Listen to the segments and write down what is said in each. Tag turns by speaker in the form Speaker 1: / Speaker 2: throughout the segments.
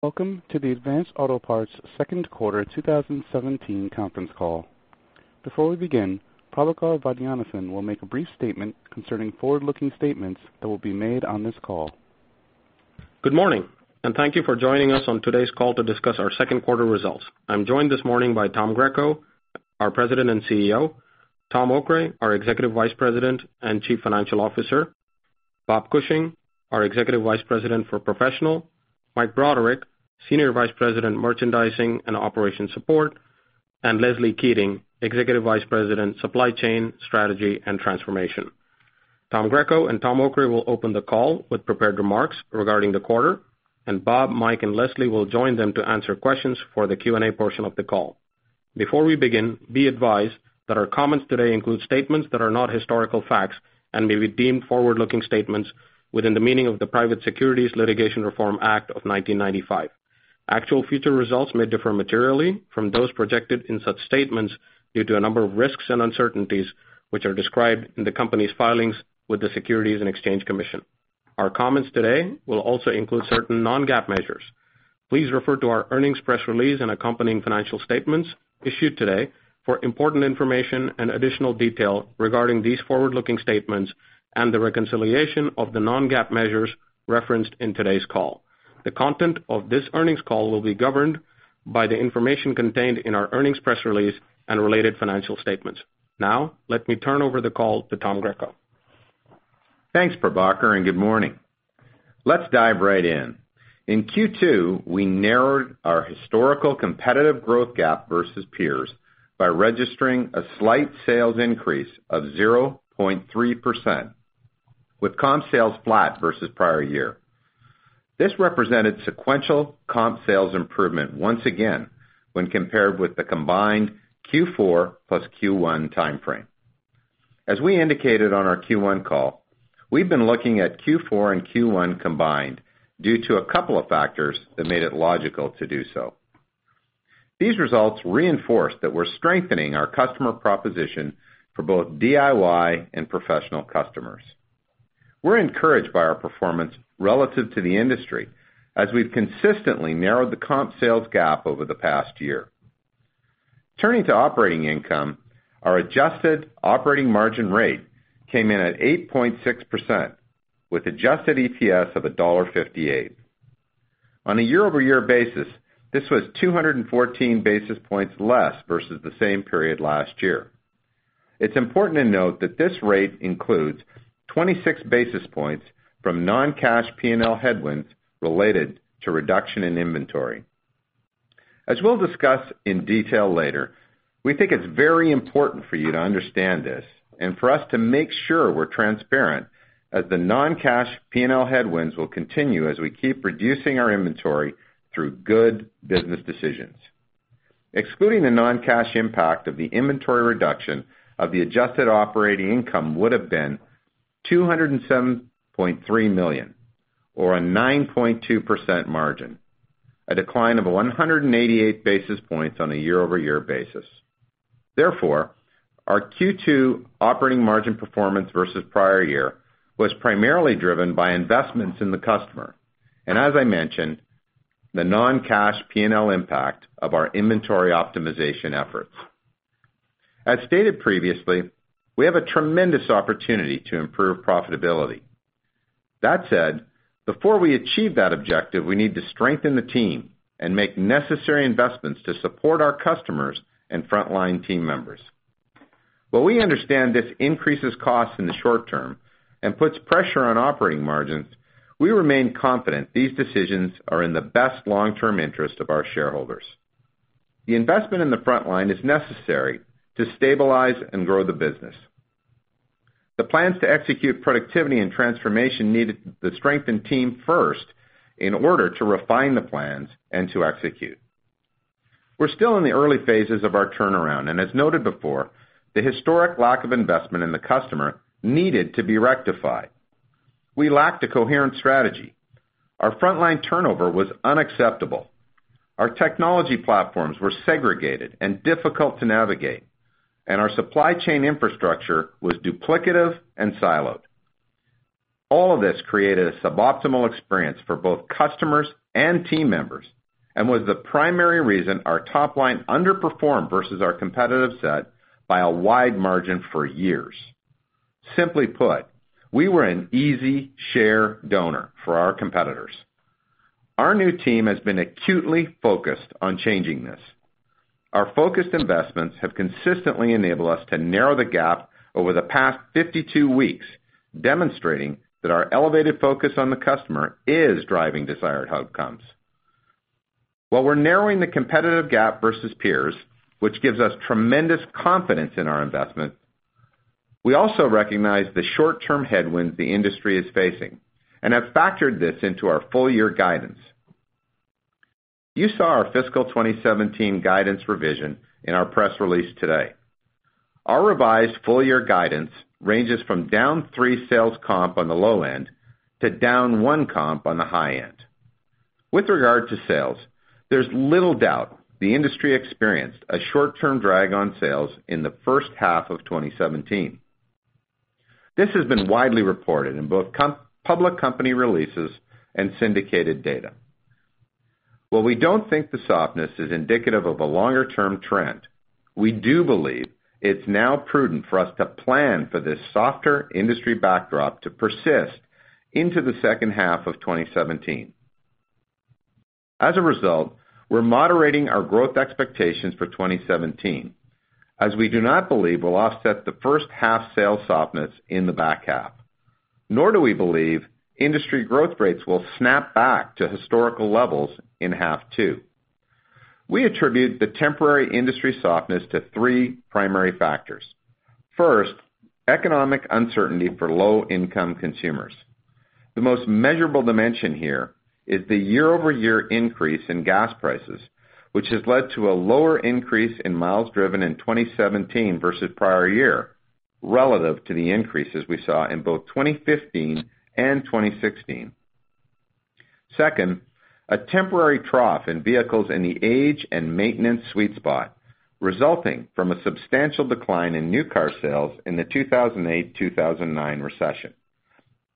Speaker 1: Welcome to the Advance Auto Parts second quarter 2017 conference call. Before we begin, Prabhakar Vaidyanathan will make a brief statement concerning forward-looking statements that will be made on this call.
Speaker 2: Good morning. Thank you for joining us on today's call to discuss our second quarter results. I am joined this morning by Tom Greco, our President and CEO, Thomas Okray, our Executive Vice President and Chief Financial Officer, Bob Cushing, our Executive Vice President for Professional, Mike Broderick, Senior Vice President Merchandising and Operation Support, and Leslie Keating, Executive Vice President Supply Chain Strategy and Transformation. Tom Greco and Thomas Okray will open the call with prepared remarks regarding the quarter, and Bob, Mike, and Leslie will join them to answer questions for the Q&A portion of the call. Before we begin, be advised that our comments today include statements that are not historical facts and may be deemed forward-looking statements within the meaning of the Private Securities Litigation Reform Act of 1995. Actual future results may differ materially from those projected in such statements due to a number of risks and uncertainties, which are described in the company's filings with the Securities and Exchange Commission. Our comments today will also include certain non-GAAP measures. Please refer to our earnings press release and accompanying financial statements issued today for important information and additional detail regarding these forward-looking statements and the reconciliation of the non-GAAP measures referenced in today's call. The content of this earnings call will be governed by the information contained in our earnings press release and related financial statements. Let me turn over the call to Tom Greco.
Speaker 3: Thanks, Prabhakar. Good morning. Let us dive right in. In Q2, we narrowed our historical competitive growth gap versus peers by registering a slight sales increase of 0.3%, with comp sales flat versus prior year. This represented sequential comp sales improvement once again when compared with the combined Q4 plus Q1 timeframe. As we indicated on our Q1 call, we have been looking at Q4 and Q1 combined due to a couple of factors that made it logical to do so. These results reinforce that we are strengthening our customer proposition for both DIY and professional customers. We are encouraged by our performance relative to the industry, as we have consistently narrowed the comp sales gap over the past year. Turning to operating income, our adjusted operating margin rate came in at 8.6%, with adjusted EPS of $1.58. On a year-over-year basis, this was 214 basis points less versus the same period last year. It's important to note that this rate includes 26 basis points from non-cash P&L headwinds related to reduction in inventory. As we'll discuss in detail later, we think it's very important for you to understand this and for us to make sure we're transparent, as the non-cash P&L headwinds will continue as we keep reducing our inventory through good business decisions. Excluding the non-cash impact of the inventory reduction of the adjusted operating income would've been $207.3 million, or a 9.2% margin, a decline of 188 basis points on a year-over-year basis. Therefore, our Q2 operating margin performance versus prior year was primarily driven by investments in the customer and, as I mentioned, the non-cash P&L impact of our inventory optimization efforts. As stated previously, we have a tremendous opportunity to improve profitability. That said, before we achieve that objective, we need to strengthen the team and make necessary investments to support our customers and frontline team members. While we understand this increases costs in the short term and puts pressure on operating margins, we remain confident these decisions are in the best long-term interest of our shareholders. The investment in the frontline is necessary to stabilize and grow the business. The plans to execute productivity and transformation needed the strengthened team first in order to refine the plans and to execute. We're still in the early phases of our turnaround and as noted before, the historic lack of investment in the customer needed to be rectified. We lacked a coherent strategy. Our frontline turnover was unacceptable. Our technology platforms were segregated and difficult to navigate, and our supply chain infrastructure was duplicative and siloed. All of this created a suboptimal experience for both customers and team members and was the primary reason our top line underperformed versus our competitive set by a wide margin for years. Simply put, we were an easy share donor for our competitors. Our new team has been acutely focused on changing this. Our focused investments have consistently enabled us to narrow the gap over the past 52 weeks, demonstrating that our elevated focus on the customer is driving desired outcomes. While we're narrowing the competitive gap versus peers, which gives us tremendous confidence in our investment, we also recognize the short-term headwinds the industry is facing and have factored this into our full year guidance. You saw our fiscal 2017 guidance revision in our press release today. Our revised full year guidance ranges from down three sales comp on the low end to down one comp on the high end. With regard to sales, there's little doubt the industry experienced a short-term drag on sales in the first half of 2017. This has been widely reported in both public company releases and syndicated data. While we don't think the softness is indicative of a longer-term trend, we do believe it's now prudent for us to plan for this softer industry backdrop to persist into the second half of 2017. As a result, we're moderating our growth expectations for 2017, as we do not believe we'll offset the first half sales softness in the back half, nor do we believe industry growth rates will snap back to historical levels in half two. We attribute the temporary industry softness to three primary factors. First, economic uncertainty for low-income consumers. The most measurable dimension here is the year-over-year increase in gas prices, which has led to a lower increase in miles driven in 2017 versus prior year, relative to the increases we saw in both 2015 and 2016. Second, a temporary trough in vehicles in the age and maintenance sweet spot, resulting from a substantial decline in new car sales in the 2008-2009 recession.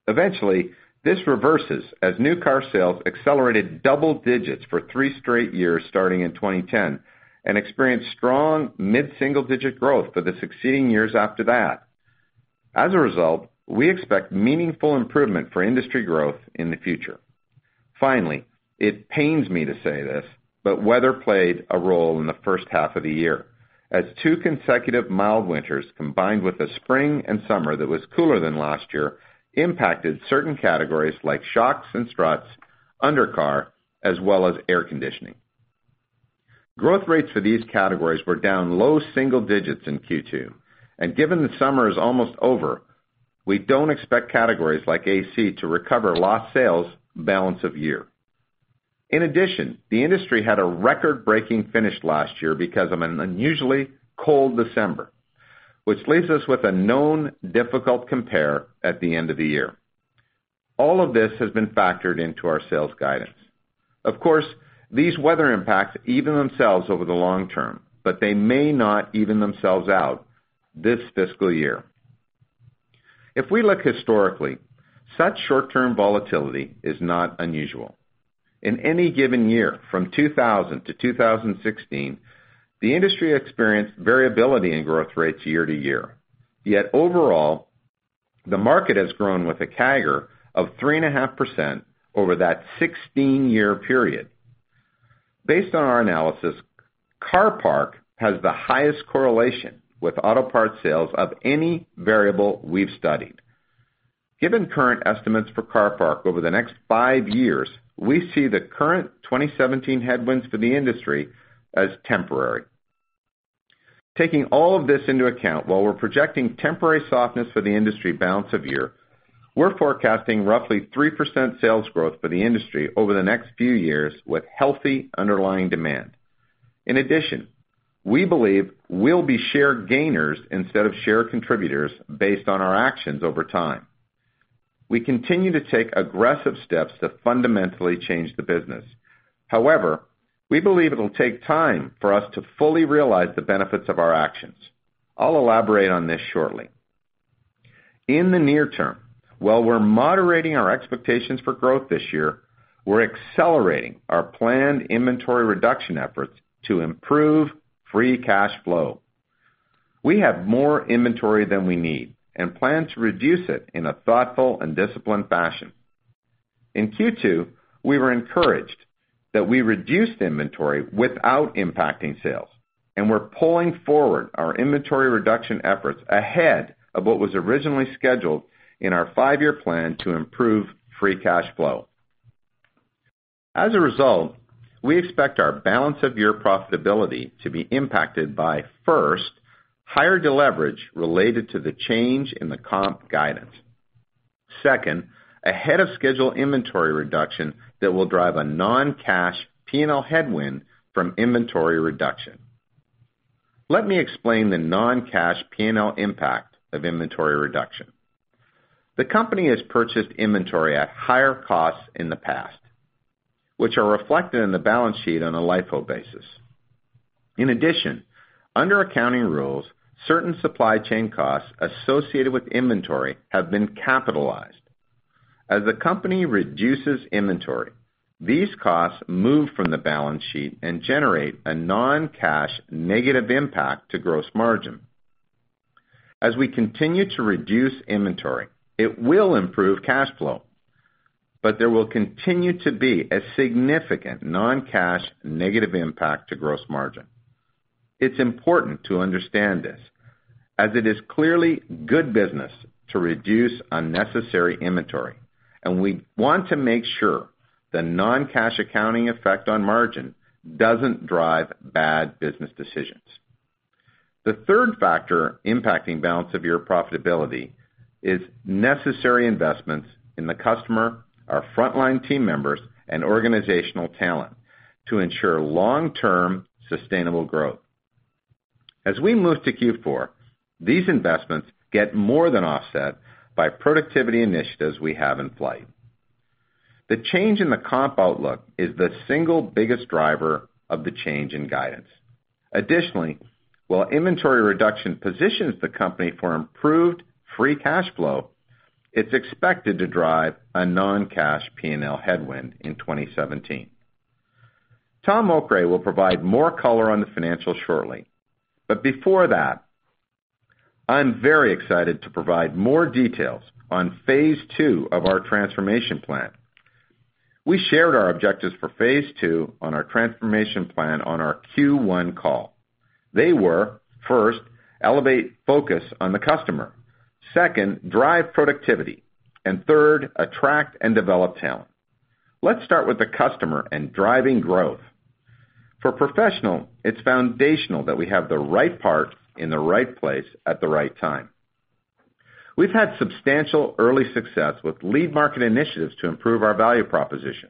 Speaker 3: Eventually, this reverses, as new car sales accelerated double digits for three straight years starting in 2010 and experienced strong mid-single-digit growth for the succeeding years after that. As a result, we expect meaningful improvement for industry growth in the future. Finally, it pains me to say this, weather played a role in the first half of the year, as two consecutive mild winters combined with a spring and summer that was cooler than last year impacted certain categories like shocks and struts, under car, as well as air conditioning. Growth rates for these categories were down low-single-digits in Q2, and given the summer is almost over, we don't expect categories like AC to recover lost sales balance of year. In addition, the industry had a record-breaking finish last year because of an unusually cold December, which leaves us with a known difficult compare at the end of the year. All of this has been factored into our sales guidance. Of course, these weather impacts even themselves over the long term, they may not even themselves out this fiscal year. If we look historically, such short-term volatility is not unusual. In any given year from 2000 to 2016, the industry experienced variability in growth rates year to year. Yet overall, the market has grown with a CAGR of 3.5% over that 16-year period. Based on our analysis, car parc has the highest correlation with auto parts sales of any variable we've studied. Given current estimates for car parc over the next five years, we see the current 2017 headwinds for the industry as temporary. Taking all of this into account, while we're projecting temporary softness for the industry balance of year, we're forecasting roughly 3% sales growth for the industry over the next few years with healthy underlying demand. In addition, we believe we'll be share gainers instead of share contributors based on our actions over time. We continue to take aggressive steps to fundamentally change the business. However, we believe it'll take time for us to fully realize the benefits of our actions. I'll elaborate on this shortly. In the near term, while we're moderating our expectations for growth this year, we're accelerating our planned inventory reduction efforts to improve free cash flow. We have more inventory than we need and plan to reduce it in a thoughtful and disciplined fashion. In Q2, we were encouraged that we reduced inventory without impacting sales, and we're pulling forward our inventory reduction efforts ahead of what was originally scheduled in our five-year plan to improve free cash flow. As a result, we expect our balance of year profitability to be impacted by, first, higher deleverage related to the change in the comp guidance. Second, ahead of schedule inventory reduction that will drive a non-cash P&L headwind from inventory reduction. Let me explain the non-cash P&L impact of inventory reduction. The company has purchased inventory at higher costs in the past, which are reflected in the balance sheet on a LIFO basis. In addition, under accounting rules, certain supply chain costs associated with inventory have been capitalized. As the company reduces inventory, these costs move from the balance sheet and generate a non-cash negative impact to gross margin. As we continue to reduce inventory, it will improve cash flow, but there will continue to be a significant non-cash negative impact to gross margin. It's important to understand this, as it is clearly good business to reduce unnecessary inventory, and we want to make sure the non-cash accounting effect on margin doesn't drive bad business decisions. The third factor impacting balance of year profitability is necessary investments in the customer, our frontline team members, and organizational talent to ensure long-term sustainable growth. As we move to Q4, these investments get more than offset by productivity initiatives we have in flight. The change in the comp outlook is the single biggest driver of the change in guidance. Additionally, while inventory reduction positions the company for improved free cash flow, it's expected to drive a non-cash P&L headwind in 2017. Tom Okray will provide more color on the financials shortly. Before that, I'm very excited to provide more details on phase two of our transformation plan. We shared our objectives for phase two on our transformation plan on our Q1 call. They were, first, elevate focus on the customer. Second, drive productivity. Third, attract and develop talent. Let's start with the customer and driving growth. For professional, it's foundational that we have the right part in the right place at the right time. We've had substantial early success with lead market initiatives to improve our value proposition.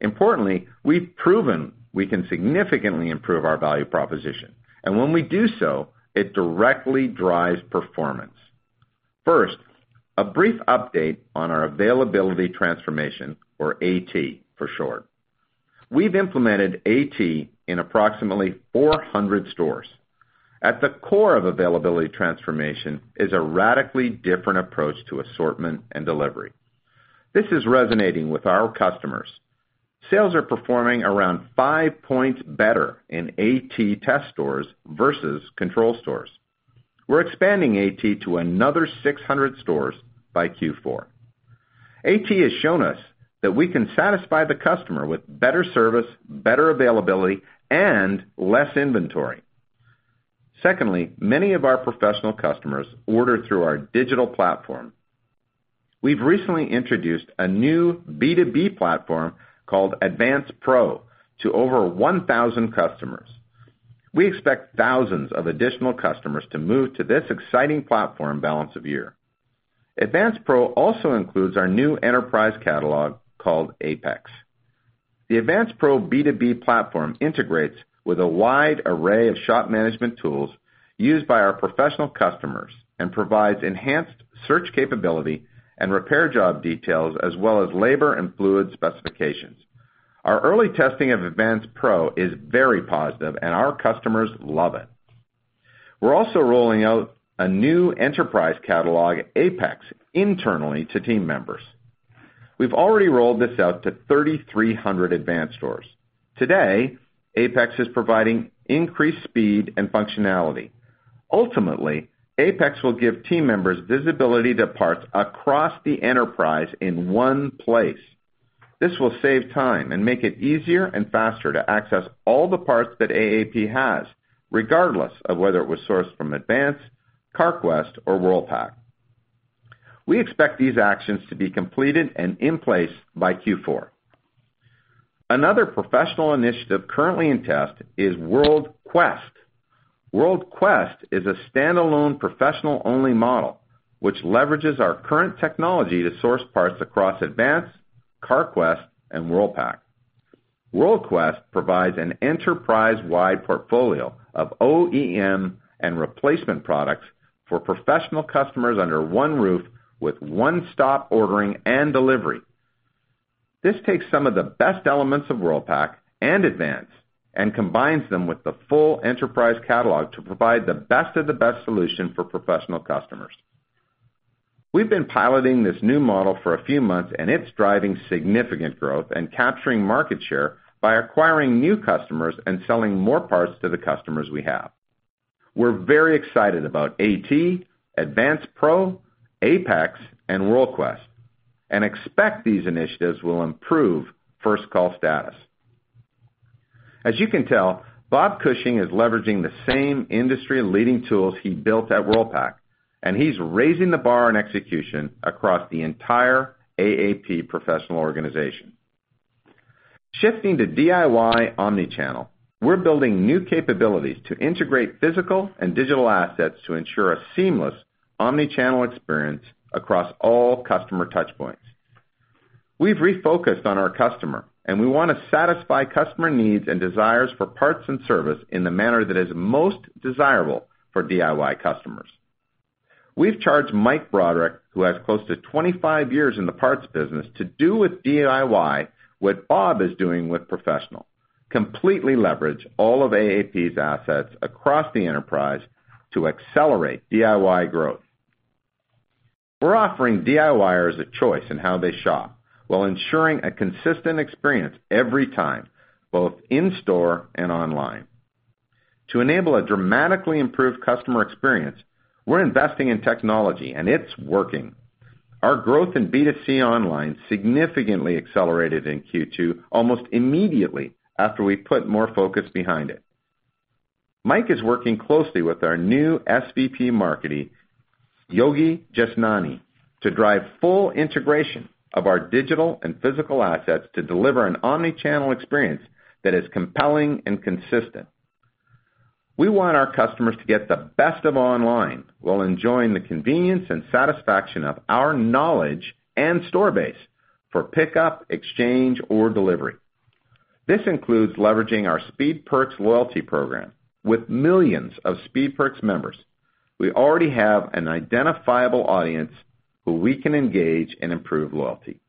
Speaker 3: Importantly, we've proven we can significantly improve our value proposition. When we do so, it directly drives performance. First, a brief update on our availability transformation, or AT for short. We've implemented AT in approximately 400 stores. At the core of availability transformation is a radically different approach to assortment and delivery. This is resonating with our customers. Sales are performing around five points better in AT test stores versus control stores. We're expanding AT to another 600 stores by Q4. AT has shown us that we can satisfy the customer with better service, better availability, and less inventory. Secondly, many of our professional customers order through our digital platform. We've recently introduced a new B2B platform called AdvancePro to over 1,000 customers. We expect thousands of additional customers to move to this exciting platform balance of year. AdvancePro also includes our new enterprise catalog called APEX. The AdvancePro B2B platform integrates with a wide array of shop management tools used by our professional customers and provides enhanced search capability and repair job details, as well as labor and fluid specifications. Our early testing of AdvancePro is very positive, and our customers love it. We're also rolling out a new enterprise catalog, APEX, internally to team members. We've already rolled this out to 3,300 Advance stores. Today, APEX is providing increased speed and functionality. Ultimately, APEX will give team members visibility to parts across the enterprise in one place. This will save time and make it easier and faster to access all the parts that AAP has, regardless of whether it was sourced from Advance, Carquest, or Worldpac. We expect these actions to be completed and in place by Q4. Another professional initiative currently in test is Worldquest. Worldquest is a standalone professional-only model, which leverages our current technology to source parts across Advance, Carquest and Worldpac. Worldquest provides an enterprise-wide portfolio of OEM and replacement products for professional customers under one roof with one-stop ordering and delivery. This takes some of the best elements of Worldpac and Advance and combines them with the full enterprise catalog to provide the best of the best solution for professional customers. We've been piloting this new model for a few months, and it's driving significant growth and capturing market share by acquiring new customers and selling more parts to the customers we have. We're very excited about AT, AdvancePro, APEX and Worldquest, and expect these initiatives will improve first-call status. As you can tell, Bob Cushing is leveraging the same industry-leading tools he built at Worldpac, and he's raising the bar on execution across the entire AAP professional organization. Shifting to DIY omni-channel, we're building new capabilities to integrate physical and digital assets to ensure a seamless omni-channel experience across all customer touchpoints. We've refocused on our customer, and we want to satisfy customer needs and desires for parts and service in the manner that is most desirable for DIY customers. We've charged Mike Broderick, who has close to 25 years in the parts business, to do with DIY what Bob is doing with professional, completely leverage all of AAP's assets across the enterprise to accelerate DIY growth. We're offering DIYers a choice in how they shop while ensuring a consistent experience every time, both in store and online. To enable a dramatically improved customer experience, we're investing in technology, and it's working. Our growth in B2C online significantly accelerated in Q2 almost immediately after we put more focus behind it. Mike is working closely with our new SVP marketing, Yogi Jashnani, to drive full integration of our digital and physical assets to deliver an omni-channel experience that is compelling and consistent. We want our customers to get the best of online while enjoying the convenience and satisfaction of our knowledge and store base for pickup, exchange, or delivery. This includes leveraging our Speed Perks loyalty program. With millions of Speed Perks members, we already have an identifiable audience who we can engage and improve loyalty.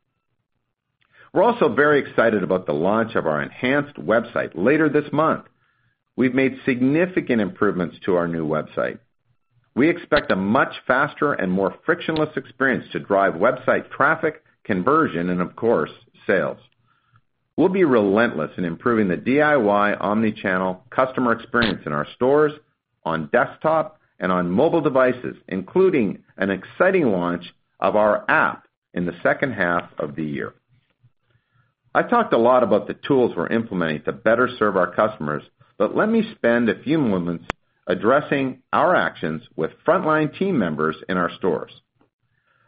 Speaker 3: We're also very excited about the launch of our enhanced website later this month. We've made significant improvements to our new website. We expect a much faster and more frictionless experience to drive website traffic, conversion, and of course, sales. We'll be relentless in improving the DIY omni-channel customer experience in our stores, on desktop, and on mobile devices, including an exciting launch of our app in the second half of the year. I've talked a lot about the tools we're implementing to better serve our customers, but let me spend a few moments addressing our actions with frontline team members in our stores.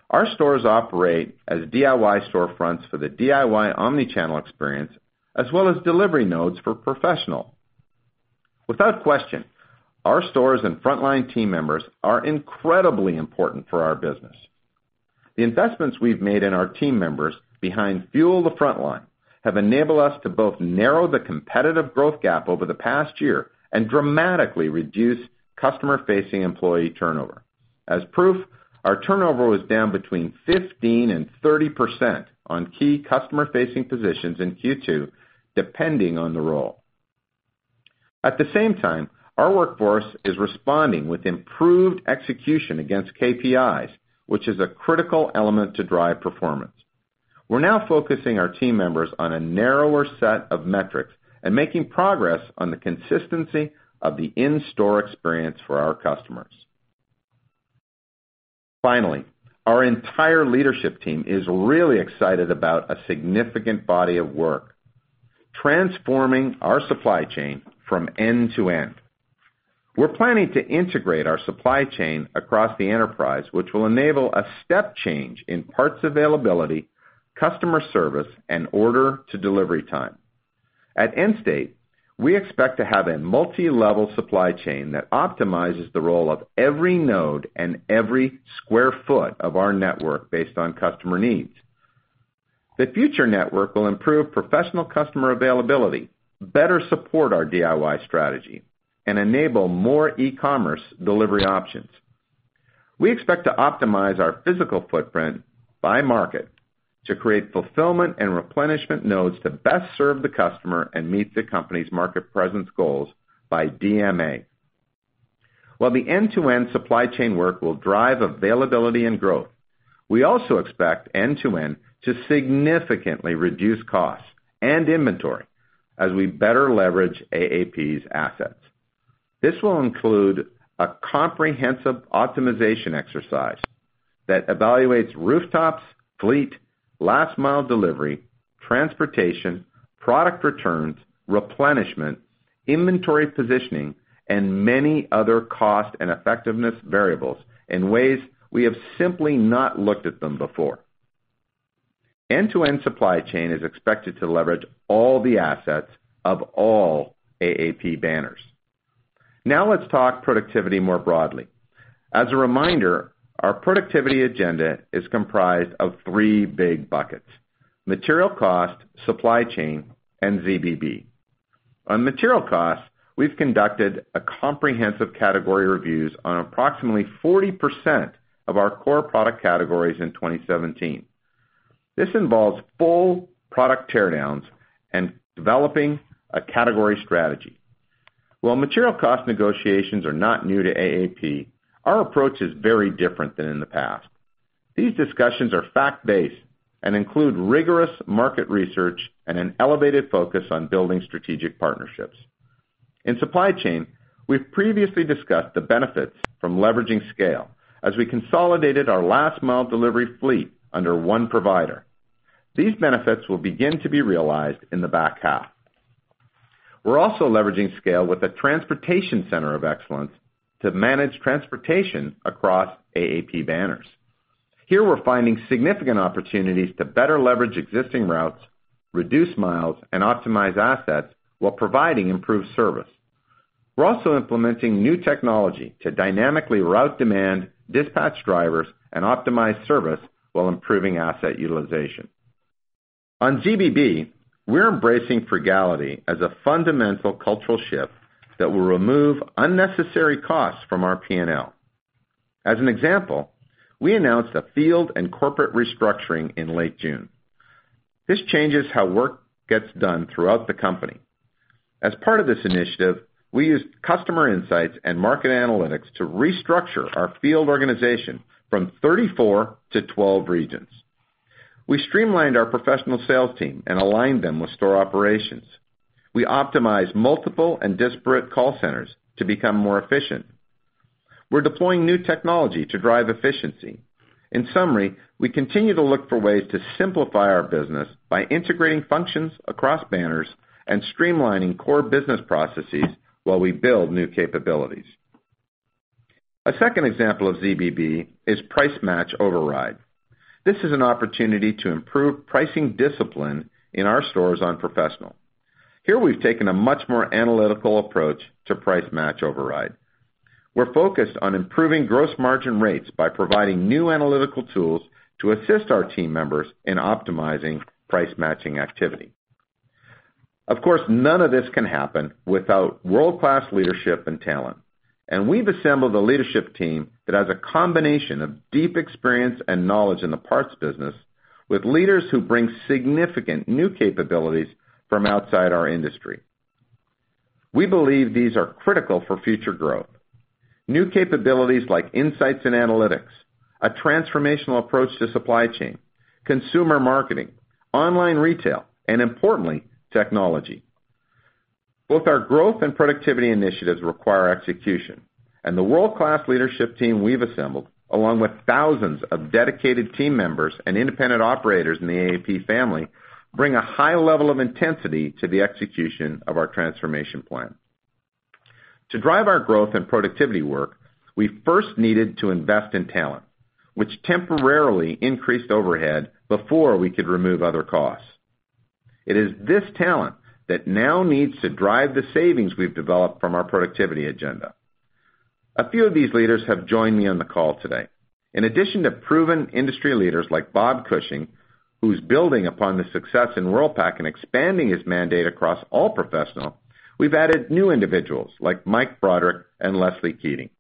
Speaker 3: Our stores operate as DIY storefronts for the DIY omni-channel experience, as well as delivery nodes for professional. Without question, our stores and frontline team members are incredibly important for our business. The investments we've made in our team members behind Fuel the Frontline have enabled us to both narrow the competitive growth gap over the past year and dramatically reduce customer-facing employee turnover. As proof, our turnover was down between 15% and 30% on key customer-facing positions in Q2, depending on the role. At the same time, our workforce is responding with improved execution against KPIs, which is a critical element to drive performance. We're now focusing our team members on a narrower set of metrics and making progress on the consistency of the in-store experience for our customers. Finally, our entire leadership team is really excited about a significant body of work transforming our supply chain from end to end. We're planning to integrate our supply chain across the enterprise, which will enable a step change in parts availability, customer service, and order to delivery time. At end state, we expect to have a multilevel supply chain that optimizes the role of every node and every square foot of our network based on customer needs. The future network will improve professional customer availability, better support our DIY strategy, and enable more e-commerce delivery options. We expect to optimize our physical footprint by market to create fulfillment and replenishment nodes to best serve the customer and meet the company's market presence goals by DMA. While the end-to-end supply chain work will drive availability and growth, we also expect end-to-end to significantly reduce costs and inventory as we better leverage AAP's assets. This will include a comprehensive optimization exercise that evaluates rooftops, fleet, last mile delivery, transportation, product returns, replenishment, inventory positioning, and many other cost and effectiveness variables in ways we have simply not looked at them before. End-to-end supply chain is expected to leverage all the assets of all AAP banners. Let's talk productivity more broadly. As a reminder, our productivity agenda is comprised of three big buckets: material cost, supply chain, and ZBB. On material costs, we've conducted a comprehensive category reviews on approximately 40% of our core product categories in 2017. This involves full product teardowns and developing a category strategy. While material cost negotiations are not new to AAP, our approach is very different than in the past. These discussions are fact-based and include rigorous market research and an elevated focus on building strategic partnerships. In supply chain, we've previously discussed the benefits from leveraging scale as we consolidated our last mile delivery fleet under one provider. These benefits will begin to be realized in the back half. We're also leveraging scale with a transportation center of excellence to manage transportation across AAP banners. Here we're finding significant opportunities to better leverage existing routes, reduce miles, and optimize assets while providing improved service. We're also implementing new technology to dynamically route demand, dispatch drivers, and optimize service while improving asset utilization. On ZBB, we're embracing frugality as a fundamental cultural shift that will remove unnecessary costs from our P&L. As an example, we announced a field and corporate restructuring in late June. This changes how work gets done throughout the company. As part of this initiative, we used customer insights and market analytics to restructure our field organization from 34 to 12 regions. We streamlined our professional sales team and aligned them with store operations. We optimized multiple and disparate call centers to become more efficient. We're deploying new technology to drive efficiency. In summary, we continue to look for ways to simplify our business by integrating functions across banners and streamlining core business processes while we build new capabilities. A second example of ZBB is price match override. This is an opportunity to improve pricing discipline in our stores on professional. Here we've taken a much more analytical approach to price match override. We're focused on improving gross margin rates by providing new analytical tools to assist our team members in optimizing price-matching activity. Of course, none of this can happen without world-class leadership and talent, and we've assembled a leadership team that has a combination of deep experience and knowledge in the parts business with leaders who bring significant new capabilities from outside our industry. We believe these are critical for future growth. New capabilities like insights and analytics, a transformational approach to supply chain, consumer marketing, online retail, and importantly, technology. Both our growth and productivity initiatives require execution, and the world-class leadership team we've assembled, along with thousands of dedicated team members and independent operators in the AAP family, bring a high level of intensity to the execution of our transformation plan. To drive our growth and productivity work, we first needed to invest in talent, which temporarily increased overhead before we could remove other costs. It is this talent that now needs to drive the savings we've developed from our productivity agenda. A few of these leaders have joined me on the call today. In addition to proven industry leaders like Bob Cushing, who's building upon the success in Worldpac and expanding his mandate across all professional, we've added new individuals like Mike Broderick and Leslie Keating.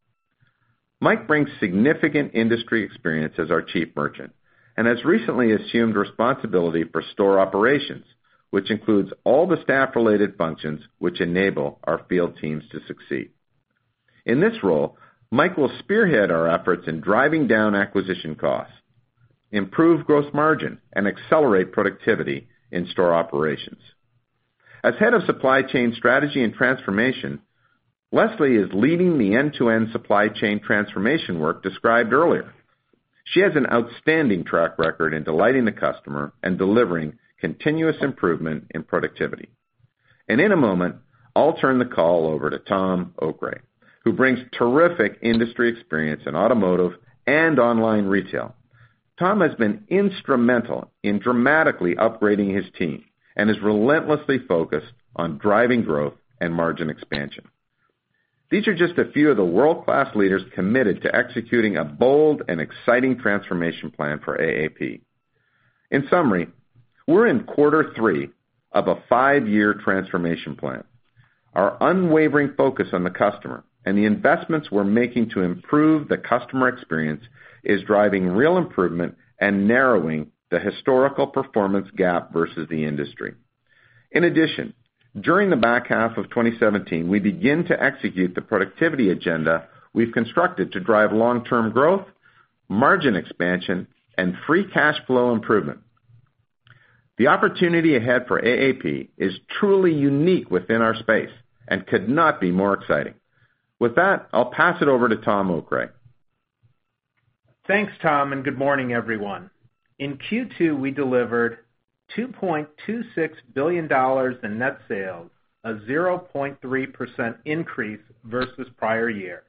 Speaker 3: Mike brings significant industry experience as our Chief Merchant, and has recently assumed responsibility for store operations, which includes all the staff-related functions which enable our field teams to succeed. In this role, Mike will spearhead our efforts in driving down acquisition costs, improve gross margin, and accelerate productivity in store operations. As Head of Supply Chain Strategy and Transformation, Leslie is leading the end-to-end supply chain transformation work described earlier. She has an outstanding track record in delighting the customer and delivering continuous improvement in productivity. In a moment, I'll turn the call over to Tom Okray, who brings terrific industry experience in automotive and online retail. Tom has been instrumental in dramatically upgrading his team and is relentlessly focused on driving growth and margin expansion. These are just a few of the world-class leaders committed to executing a bold and exciting transformation plan for AAP. In summary, we're in quarter three of a five-year transformation plan. Our unwavering focus on the customer and the investments we're making to improve the customer experience is driving real improvement and narrowing the historical performance gap versus the industry. In addition, during the back half of 2017, we begin to execute the productivity agenda we've constructed to drive long-term growth, margin expansion, and free cash flow improvement. The opportunity ahead for AAP is truly unique within our space and could not be more exciting. With that, I'll pass it over to Tom Okray.
Speaker 4: Thanks, Tom, good morning, everyone. In Q2, we delivered $2.26 billion in net sales, a 0.3% increase versus prior year.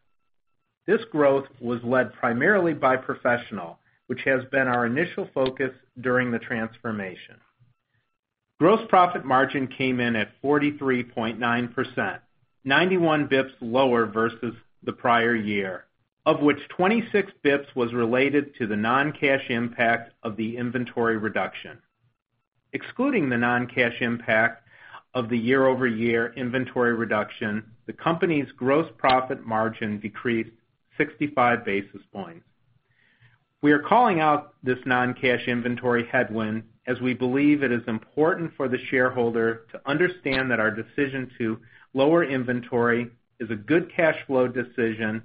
Speaker 4: This growth was led primarily by professional, which has been our initial focus during the transformation. Gross profit margin came in at 43.9%, 91 basis points lower versus the prior year, of which 26 basis points was related to the non-cash impact of the inventory reduction. Excluding the non-cash impact of the year-over-year inventory reduction, the company's gross profit margin decreased 65 basis points. We are calling out this non-cash inventory headwind as we believe it is important for the shareholder to understand that our decision to lower inventory is a good cash flow decision,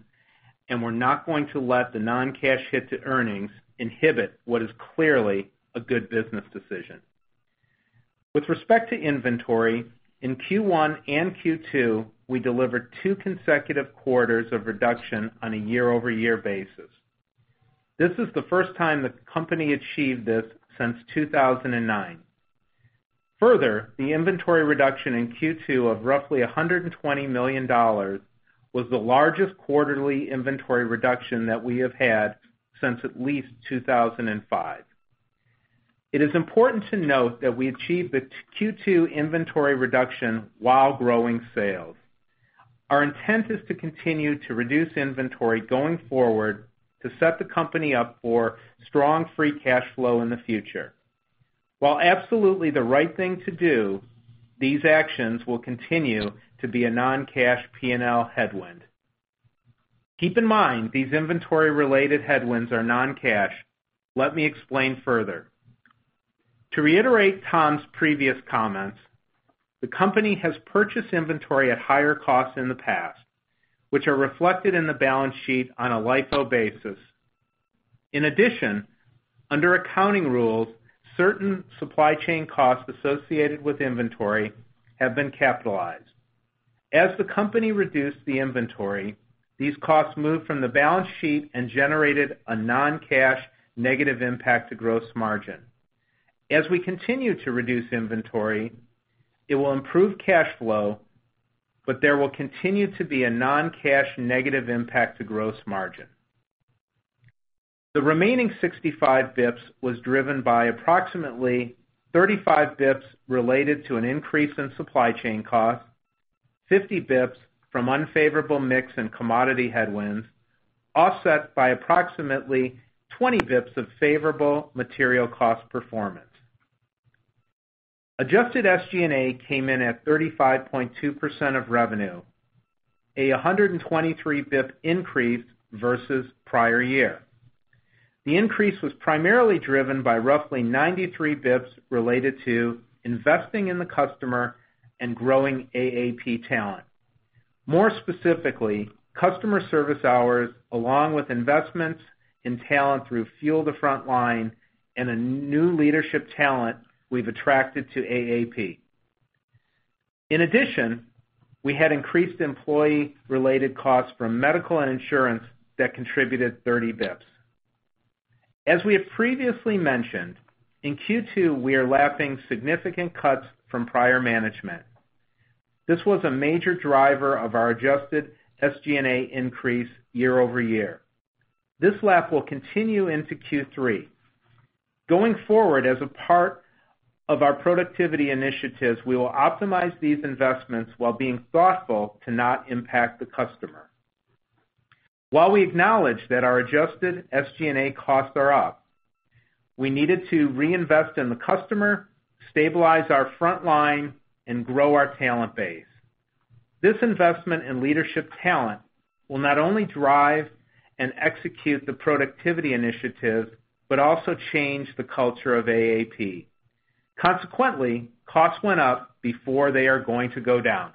Speaker 4: and we're not going to let the non-cash hit to earnings inhibit what is clearly a good business decision. With respect to inventory, in Q1 and Q2, we delivered two consecutive quarters of reduction on a year-over-year basis. This is the first time that the company achieved this since 2009. Further, the inventory reduction in Q2 of roughly $120 million was the largest quarterly inventory reduction that we have had since at least 2005. It is important to note that we achieved the Q2 inventory reduction while growing sales. Our intent is to continue to reduce inventory going forward to set the company up for strong free cash flow in the future. While absolutely the right thing to do, these actions will continue to be a non-cash P&L headwind. Keep in mind, these inventory-related headwinds are non-cash. Let me explain further. To reiterate Tom's previous comments, the company has purchased inventory at higher costs in the past, which are reflected in the balance sheet on a LIFO basis. In addition, under accounting rules, certain supply chain costs associated with inventory have been capitalized. As the company reduced the inventory, these costs moved from the balance sheet and generated a non-cash negative impact to gross margin. As we continue to reduce inventory, it will improve cash flow, but there will continue to be a non-cash negative impact to gross margin. The remaining 65 basis points was driven by approximately 35 basis points related to an increase in supply chain costs, 50 basis points from unfavorable mix and commodity headwinds, offset by approximately 20 basis points of favorable material cost performance. Adjusted SG&A came in at 35.2% of revenue, a 123 basis point increase versus prior year. The increase was primarily driven by roughly 93 basis points related to investing in the customer and growing AAP talent. More specifically, customer service hours, along with investments in talent through Fuel the Frontline and a new leadership talent we've attracted to AAP. In addition, we had increased employee-related costs from medical and insurance that contributed 30 basis points. As we have previously mentioned, in Q2, we are lapping significant cuts from prior management. This was a major driver of our adjusted SG&A increase year-over-year. This lap will continue into Q3. Going forward, as a part of our productivity initiatives, we will optimize these investments while being thoughtful to not impact the customer. While we acknowledge that our adjusted SG&A costs are up, we needed to reinvest in the customer, stabilize our frontline, and grow our talent base. This investment in leadership talent will not only drive and execute the productivity initiative, but also change the culture of AAP. Consequently, costs went up before they are going to go down.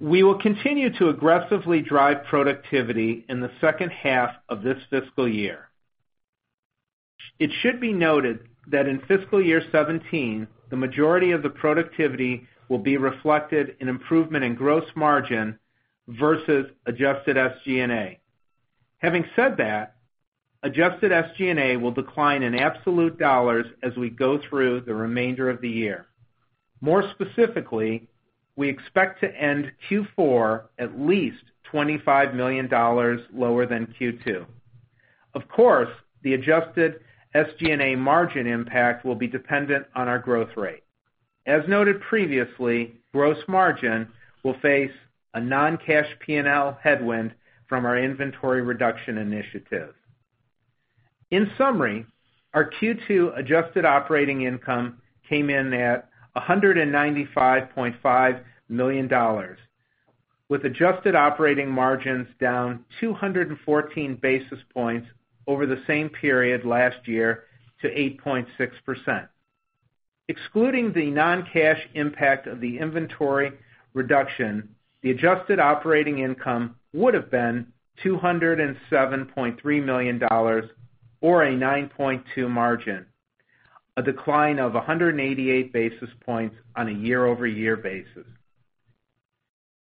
Speaker 4: We will continue to aggressively drive productivity in the second half of this fiscal year. It should be noted that in fiscal year 2017, the majority of the productivity will be reflected in improvement in gross margin versus adjusted SG&A. Having said that, adjusted SG&A will decline in absolute dollars as we go through the remainder of the year. More specifically, we expect to end Q4 at least $25 million lower than Q2. Of course, the adjusted SG&A margin impact will be dependent on our growth rate. As noted previously, gross margin will face a non-cash P&L headwind from our inventory reduction initiative. In summary, our Q2 adjusted operating income came in at $195.5 million, with adjusted operating margins down 214 basis points over the same period last year to 8.6%. Excluding the non-cash impact of the inventory reduction, the adjusted operating income would have been $207.3 million, or a 9.2% margin, a decline of 188 basis points on a year-over-year basis.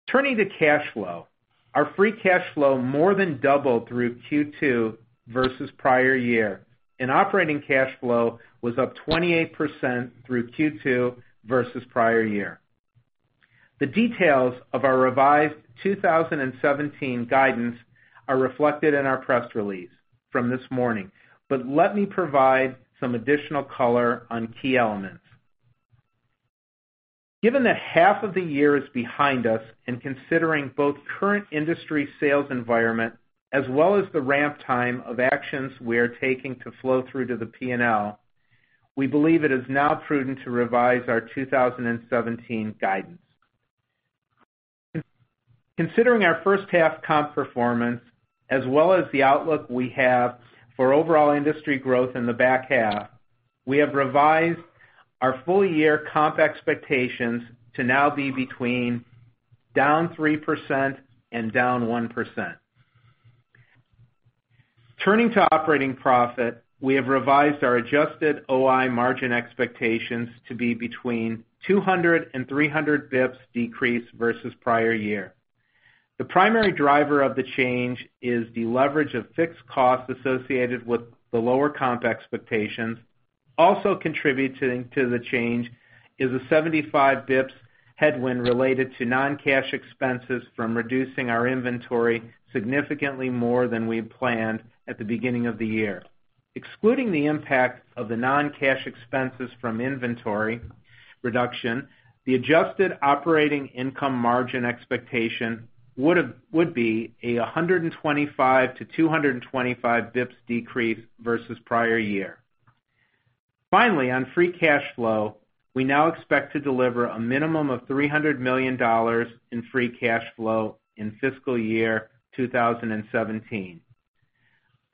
Speaker 4: Turning to cash flow, our free cash flow more than doubled through Q2 versus prior year, and operating cash flow was up 28% through Q2 versus prior year. The details of our revised 2017 guidance are reflected in our press release from this morning, but let me provide some additional color on key elements. Given that half of the year is behind us and considering both current industry sales environment as well as the ramp time of actions we are taking to flow through to the P&L, we believe it is now prudent to revise our 2017 guidance. Considering our first half comp performance as well as the outlook we have for overall industry growth in the back half, we have revised our full year comp expectations to now be between down 3% and down 1%. Turning to operating profit, we have revised our adjusted OI margin expectations to be between 200-300 bps decrease versus prior year. The primary driver of the change is the leverage of fixed costs associated with the lower comp expectations. Also contributing to the change is a 75 bps headwind related to non-cash expenses from reducing our inventory significantly more than we had planned at the beginning of the year. Excluding the impact of the non-cash expenses from inventory reduction, the adjusted operating income margin expectation would be a 125-225 bps decrease versus prior year. Finally, on free cash flow, we now expect to deliver a minimum of $300 million in free cash flow in fiscal year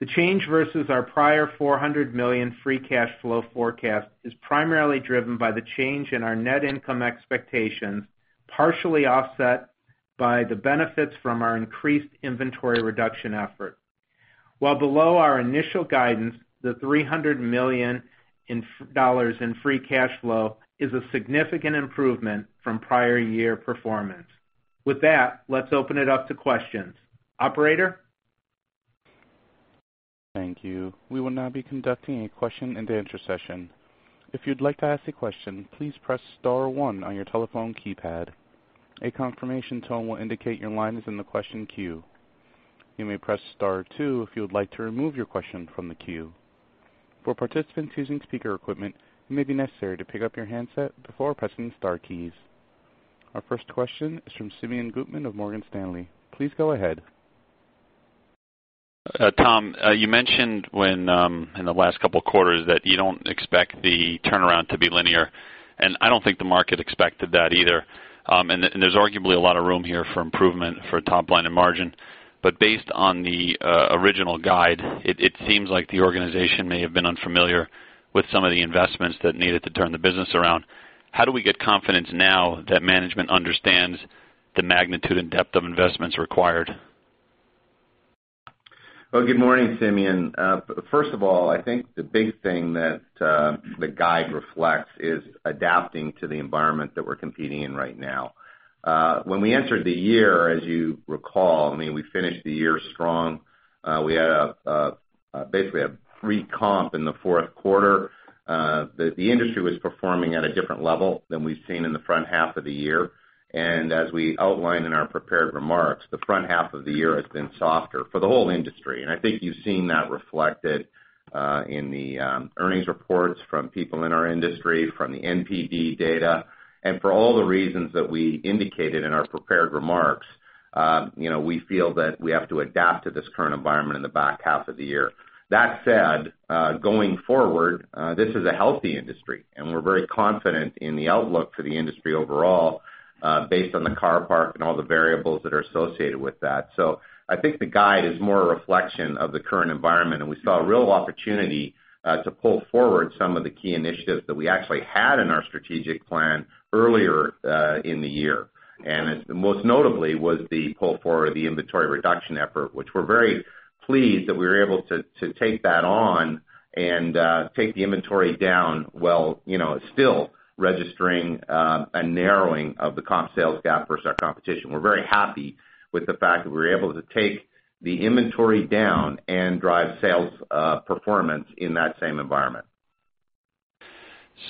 Speaker 4: 2017. The change versus our prior $400 million free cash flow forecast is primarily driven by the change in our net income expectations, partially offset by the benefits from our increased inventory reduction effort. While below our initial guidance, the $300 million in free cash flow is a significant improvement from prior year performance. With that, let's open it up to questions. Operator?
Speaker 1: Thank you. We will now be conducting a question and answer session. If you'd like to ask a question, please press star one on your telephone keypad. A confirmation tone will indicate your line is in the question queue. You may press star two if you would like to remove your question from the queue. For participants using speaker equipment, it may be necessary to pick up your handset before pressing the star keys. Our first question is from Simeon Gutman of Morgan Stanley. Please go ahead.
Speaker 5: Well, Tom, you mentioned in the last couple of quarters that you don't expect the turnaround to be linear, and I don't think the market expected that either. There's arguably a lot of room here for improvement for top-line and margin. Based on the original guide, it seems like the organization may have been unfamiliar with some of the investments that needed to turn the business around. How do we get confidence now that management understands the magnitude and depth of investments required?
Speaker 3: Well, good morning, Simeon. First of all, I think the big thing that the guide reflects is adapting to the environment that we're competing in right now. When we entered the year, as you recall, we finished the year strong. We had basically a free comp in the fourth quarter. The industry was performing at a different level than we've seen in the front half of the year. As we outlined in our prepared remarks, the front half of the year has been softer for the whole industry, and I think you've seen that reflected in the earnings reports from people in our industry, from The NPD Group data. For all the reasons that we indicated in our prepared remarks, we feel that we have to adapt to this current environment in the back half of the year. That said, going forward, this is a healthy industry, and we're very confident in the outlook for the industry overall based on the car parc and all the variables that are associated with that. I think the guide is more a reflection of the current environment, and we saw a real opportunity to pull forward some of the key initiatives that we actually had in our strategic plan earlier in the year. Most notably was the pull forward of the inventory reduction effort, which we're very pleased that we were able to take that on and take the inventory down while still registering a narrowing of the comp sales gap versus our competition. We're very happy with the fact that we were able to take the inventory down and drive sales performance in that same environment.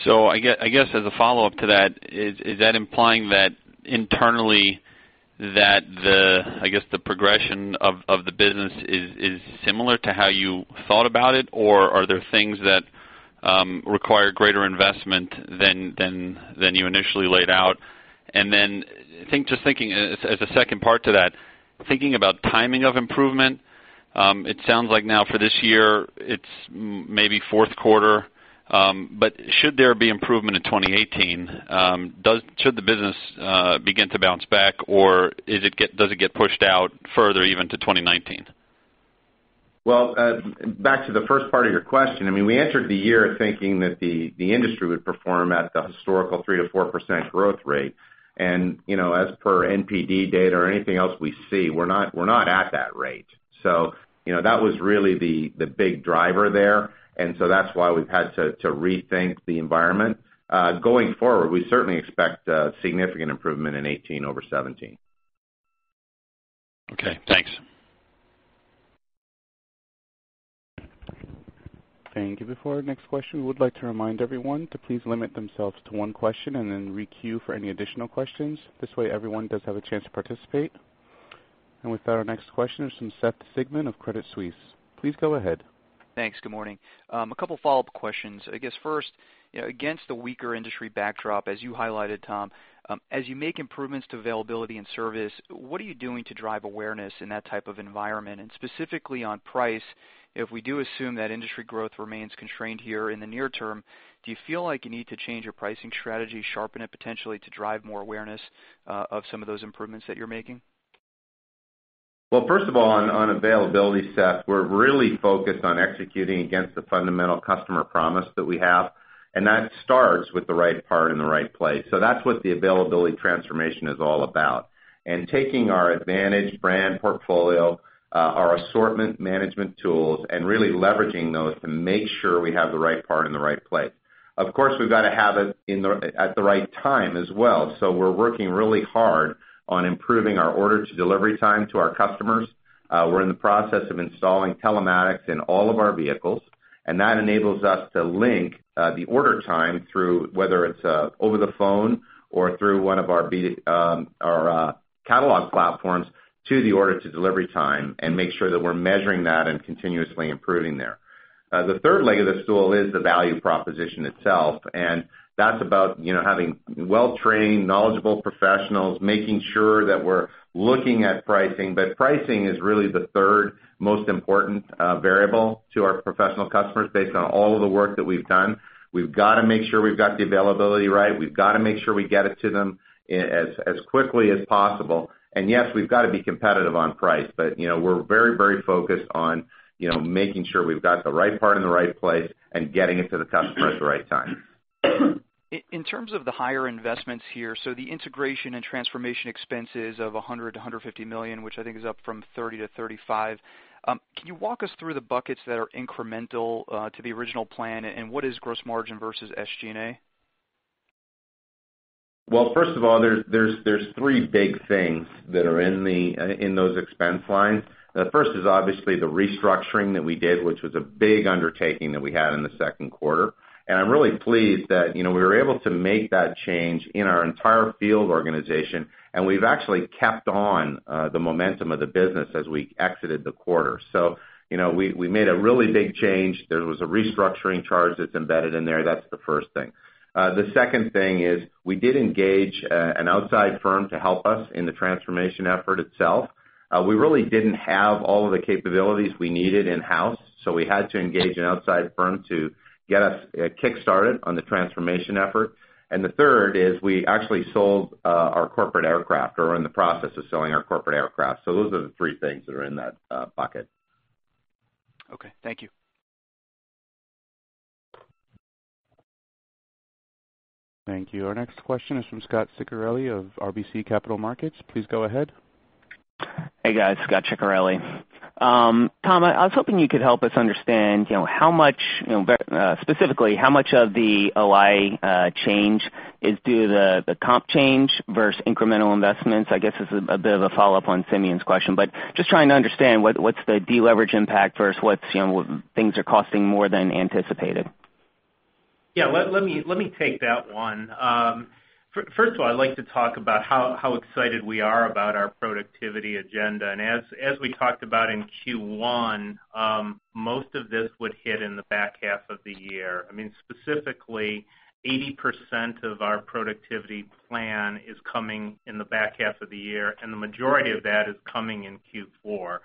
Speaker 5: I guess as a follow-up to that, is that implying that internally that the progression of the business is similar to how you thought about it? Are there things that require greater investment than you initially laid out? Just thinking as a second part to that, thinking about timing of improvement, it sounds like now for this year it's maybe fourth quarter. Should there be improvement in 2018, should the business begin to bounce back or does it get pushed out further, even to 2019?
Speaker 3: Well, back to the first part of your question, we entered the year thinking that the industry would perform at the historical 3%-4% growth rate. As per NPD data or anything else we see, we're not at that rate. That was really the big driver there, that's why we've had to rethink the environment. Going forward, we certainly expect a significant improvement in 2018 over 2017.
Speaker 5: Okay, thanks.
Speaker 1: Thank you. Before our next question, we would like to remind everyone to please limit themselves to one question and then re-queue for any additional questions. This way, everyone does have a chance to participate. With that, our next question is from Seth Sigman of Credit Suisse. Please go ahead.
Speaker 6: Thanks. Good morning. A couple follow-up questions. I guess first, against the weaker industry backdrop, as you highlighted, Tom, as you make improvements to availability and service, what are you doing to drive awareness in that type of environment? Specifically on price, if we do assume that industry growth remains constrained here in the near term, do you feel like you need to change your pricing strategy, sharpen it potentially to drive more awareness of some of those improvements that you're making?
Speaker 3: Well, first of all, on availability, Seth, we're really focused on executing against the fundamental customer promise that we have, and that starts with the right part in the right place. That's what the availability transformation is all about. Taking our advantage brand portfolio, our assortment management tools, and really leveraging those to make sure we have the right part in the right place. Of course, we've got to have it at the right time as well. We're working really hard on improving our order to delivery time to our customers. We're in the process of installing telematics in all of our vehicles, and that enables us to link the order time through, whether it's over the phone or through one of our catalog platforms, to the order to delivery time and make sure that we're measuring that and continuously improving there. The third leg of the stool is the value proposition itself, and that's about having well-trained, knowledgeable professionals, making sure that we're looking at pricing. Pricing is really the third most important variable to our professional customers based on all of the work that we've done. We've got to make sure we've got the availability right. We've got to make sure we get it to them as quickly as possible. Yes, we've got to be competitive on price. We're very focused on making sure we've got the right part in the right place and getting it to the customer at the right time.
Speaker 6: In terms of the higher investments here, the integration and transformation expenses of $100 million-$150 million, which I think is up from $30 million-$35 million. Can you walk us through the buckets that are incremental to the original plan, and what is gross margin versus SG&A?
Speaker 3: Well, first of all, there's three big things that are in those expense lines. The first is obviously the restructuring that we did, which was a big undertaking that we had in the second quarter. I'm really pleased that we were able to make that change in our entire field organization, we've actually kept on the momentum of the business as we exited the quarter. We made a really big change. There was a restructuring charge that's embedded in there. That's the first thing. The second thing is we did engage an outside firm to help us in the transformation effort itself. We really didn't have all of the capabilities we needed in-house, so we had to engage an outside firm to get us kick-started on the transformation effort. The third is we actually sold our corporate aircraft, or are in the process of selling our corporate aircraft. Those are the three things that are in that bucket.
Speaker 6: Okay. Thank you.
Speaker 1: Thank you. Our next question is from Scot Ciccarelli of RBC Capital Markets. Please go ahead.
Speaker 7: Hey, guys. Scot Ciccarelli. Tom, I was hoping you could help us understand, specifically how much of the OI change is due to the comp change versus incremental investments. I guess it's a bit of a follow-up on Simeon's question, but just trying to understand what's the deleverage impact versus what things are costing more than anticipated.
Speaker 4: Yeah. Let me take that one. First of all, I'd like to talk about how excited we are about our productivity agenda. As we talked about in Q1, most of this would hit in the back half of the year. Specifically, 80% of our productivity plan is coming in the back half of the year, and the majority of that is coming in Q4.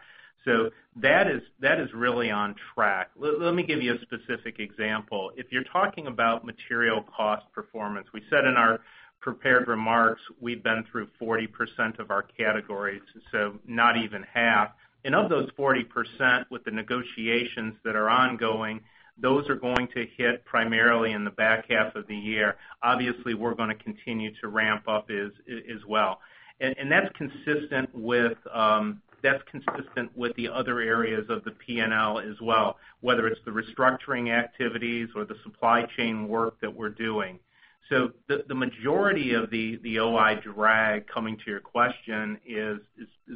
Speaker 4: That is really on track. Let me give you a specific example. If you're talking about material cost performance, we said in our prepared remarks we've been through 40% of our categories, so not even half. Of those 40%, with the negotiations that are ongoing, those are going to hit primarily in the back half of the year. Obviously, we're going to continue to ramp up as well. That's consistent with the other areas of the P&L as well, whether it's the restructuring activities or the supply chain work that we're doing. The majority of the OI drag, coming to your question, is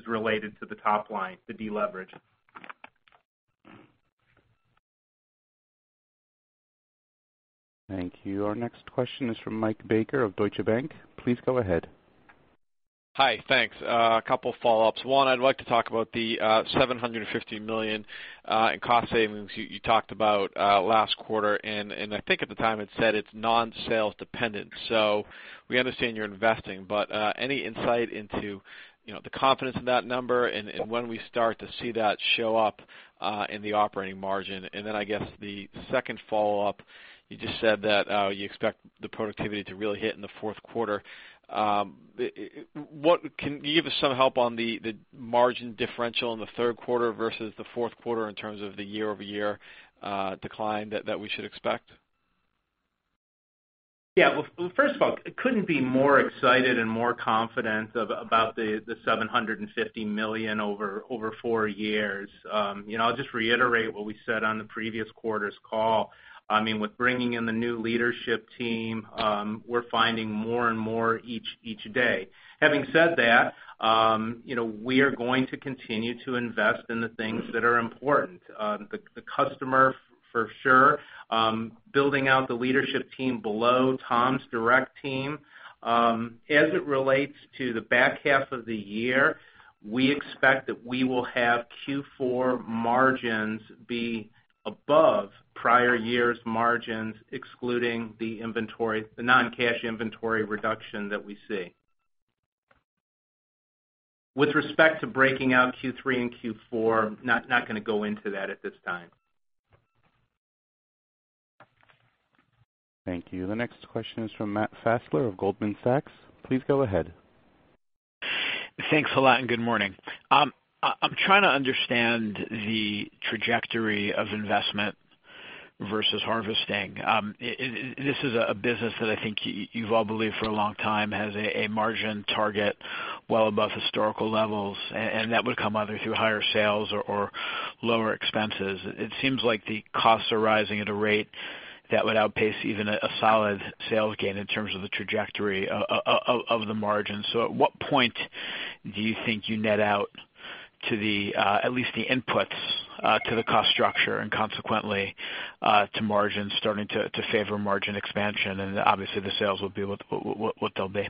Speaker 4: related to the top line, the deleverage.
Speaker 1: Thank you. Our next question is from Michael Baker of Deutsche Bank. Please go ahead.
Speaker 8: Hi. Thanks. A couple follow-ups. One, I'd like to talk about the $750 million in cost savings you talked about last quarter, and I think at the time it said it's non-sales dependent. We understand you're investing, but any insight into the confidence of that number and when we start to see that show up in the operating margin? I guess the second follow-up, you just said that you expect the productivity to really hit in the fourth quarter. Can you give us some help on the margin differential in the third quarter versus the fourth quarter in terms of the year-over-year decline that we should expect?
Speaker 4: Yeah. Well, first of all, couldn't be more excited and more confident about the $750 million over four years. I'll just reiterate what we said on the previous quarter's call. With bringing in the new leadership team, we're finding more and more each day. Having said that, we are going to continue to invest in the things that are important. The customer, for sure. Building out the leadership team below Tom's direct team. As it relates to the back half of the year, we expect that we will have Q4 margins be above prior years' margins, excluding the non-cash inventory reduction that we see. With respect to breaking out Q3 and Q4, not going to go into that at this time.
Speaker 1: Thank you. The next question is from Matthew Fessler of Goldman Sachs. Please go ahead.
Speaker 9: Thanks a lot. Good morning. I'm trying to understand the trajectory of investment versus harvesting. This is a business that I think you've all believed for a long time has a margin target well above historical levels, and that would come either through higher sales or lower expenses. It seems like the costs are rising at a rate that would outpace even a solid sales gain in terms of the trajectory of the margin. At what point do you think you net out to the, at least the inputs to the cost structure and consequently to margins starting to favor margin expansion? Obviously the sales will be what they'll be.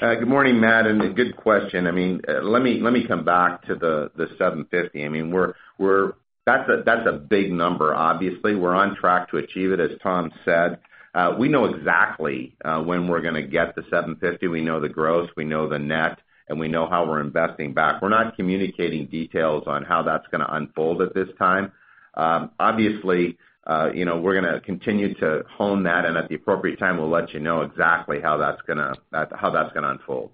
Speaker 3: Good morning, Matt. Good question. Let me come back to the $750. That's a big number. Obviously, we're on track to achieve it, as Tom said. We know exactly when we're going to get to $750. We know the gross, we know the net, we know how we're investing back. We're not communicating details on how that's going to unfold at this time. Obviously, we're going to continue to hone that, at the appropriate time, we'll let you know exactly how that's going to unfold.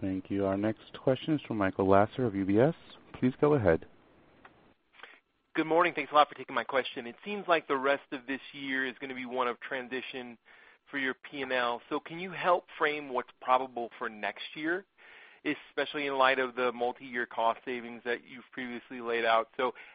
Speaker 1: Thank you. Our next question is from Michael Lasser of UBS. Please go ahead.
Speaker 10: Good morning. Thanks a lot for taking my question. It seems like the rest of this year is going to be one of transition For your P&L. Can you help frame what's probable for next year, especially in light of the multi-year cost savings that you've previously laid out?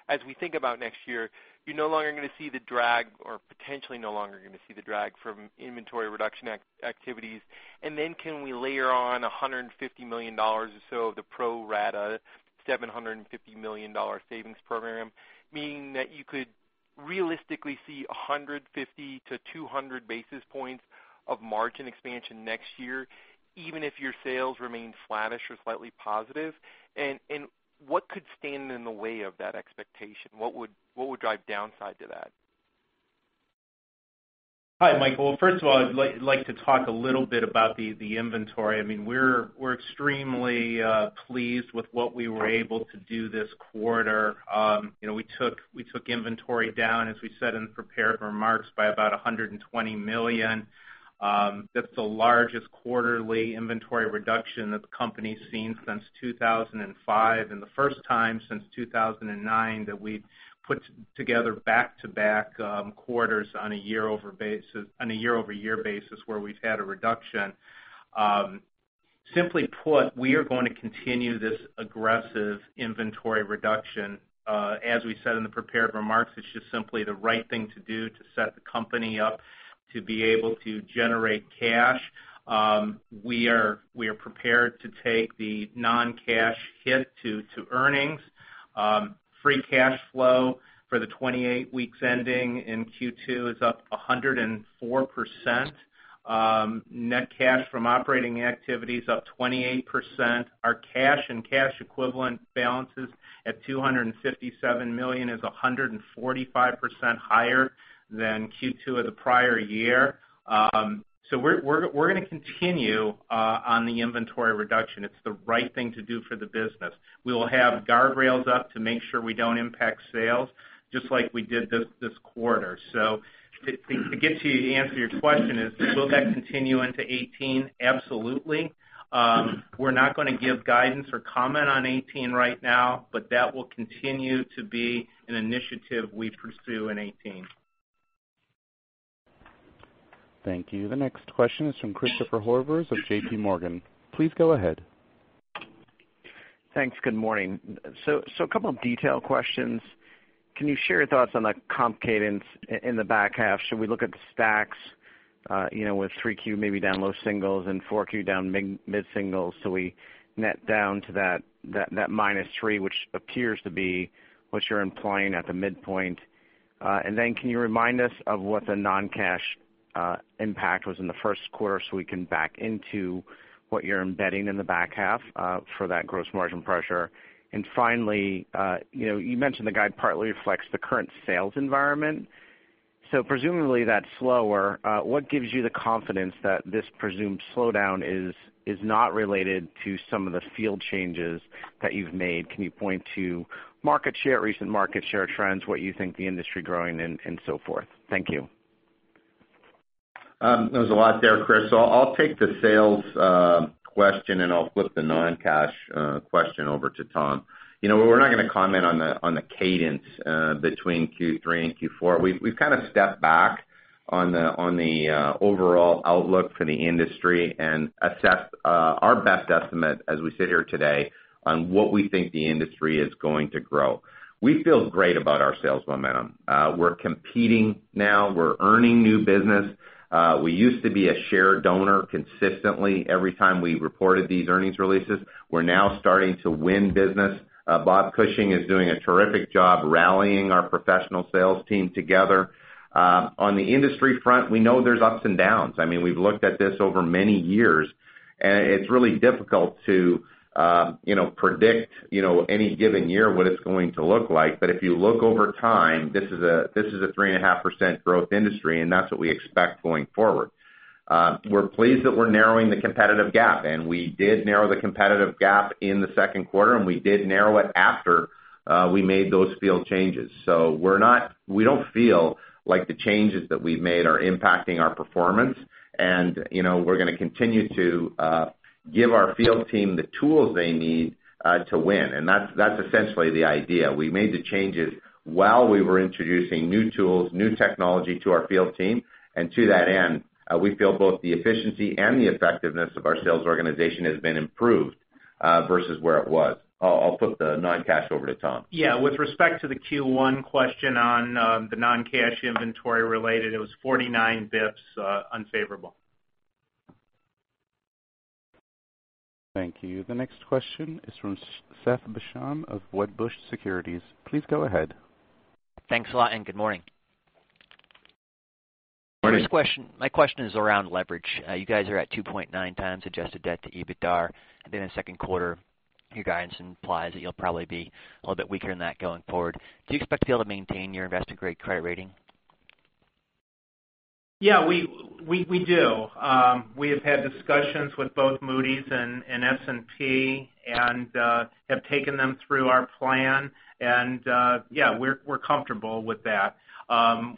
Speaker 10: As we think about next year, you're no longer going to see the drag, or potentially no longer going to see the drag from inventory reduction activities. Can we layer on $150 million or so of the pro rata $750 million savings program, meaning that you could realistically see 150 to 200 basis points of margin expansion next year, even if your sales remain flattish or slightly positive? What could stand in the way of that expectation? What would drive downside to that? Hi, Michael. First of all, I'd like to talk a little bit about the inventory. We're extremely pleased with what we were able to do this quarter.
Speaker 4: We took inventory down, as we said in the prepared remarks, by about $120 million. That's the largest quarterly inventory reduction that the company's seen since 2005 and the first time since 2009 that we've put together back-to-back quarters on a year-over-year basis where we've had a reduction. Simply put, we are going to continue this aggressive inventory reduction. As we said in the prepared remarks, it's just simply the right thing to do to set the company up to be able to generate cash. We are prepared to take the non-cash hit to earnings. Free cash flow for the 28 weeks ending in Q2 is up 104%. Net cash from operating activity is up 28%. Our cash and cash equivalent balances at $257 million is 145% higher than Q2 of the prior year. We're going to continue on the inventory reduction. It's the right thing to do for the business. We will have guardrails up to make sure we don't impact sales, just like we did this quarter. To get to answer your question is, will that continue into 2018? Absolutely. We're not going to give guidance or comment on 2018 right now, but that will continue to be an initiative we pursue in 2018.
Speaker 1: Thank you. The next question is from Christopher Horvers of JPMorgan. Please go ahead.
Speaker 11: Thanks. Good morning. A couple of detail questions. Can you share your thoughts on the comp cadence in the back half? Should we look at the stacks, with 3Q maybe down low singles and 4Q down mid singles, we net down to that -3%, which appears to be what you're implying at the midpoint. Can you remind us of what the non-cash impact was in the first quarter so we can back into what you're embedding in the back half for that gross margin pressure? Finally, you mentioned the guide partly reflects the current sales environment. Presumably that's slower. What gives you the confidence that this presumed slowdown is not related to some of the field changes that you've made? Can you point to recent market share trends, what you think the industry growing and so forth? Thank you.
Speaker 4: There was a lot there, Chris. I'll take the sales question, and I'll flip the non-cash question over to Tom. We're not going to comment on the cadence between Q3 and Q4. We've kind of stepped back on the overall outlook for the industry and assessed our best estimate as we sit here today on what we think the industry is going to grow. We feel great about our sales momentum. We're competing now. We're earning new business. We used to be a share donor consistently every time we reported these earnings releases. We're now starting to win business. Bob Cushing is doing a terrific job rallying our professional sales team together. On the industry front, we know there's ups and downs. We've looked at this over many years, and it's really difficult to predict any given year what it's going to look like. If you look over time, this is a 3.5% growth industry, and that's what we expect going forward. We're pleased that we're narrowing the competitive gap, and we did narrow the competitive gap in the second quarter, and we did narrow it after we made those field changes. We don't feel like the changes that we've made are impacting our performance, and we're going to continue to give our field team the tools they need to win. That's essentially the idea. We made the changes while we were introducing new tools, new technology to our field team. To that end, we feel both the efficiency and the effectiveness of our sales organization has been improved versus where it was. I'll flip the non-cash over to Tom. Yeah, with respect to the Q1 question on the non-cash inventory related, it was 49 basis points unfavorable.
Speaker 1: Thank you. The next question is from Seth Basham of Wedbush Securities. Please go ahead.
Speaker 12: Thanks a lot, and good morning.
Speaker 4: Morning.
Speaker 6: My question is around leverage. You guys are at 2.9 times adjusted debt to EBITDA. In the second quarter, your guidance implies that you'll probably be a little bit weaker than that going forward. Do you expect to be able to maintain your investor-grade credit rating?
Speaker 4: We do. We have had discussions with both Moody's and S&P and have taken them through our plan. We're comfortable with that.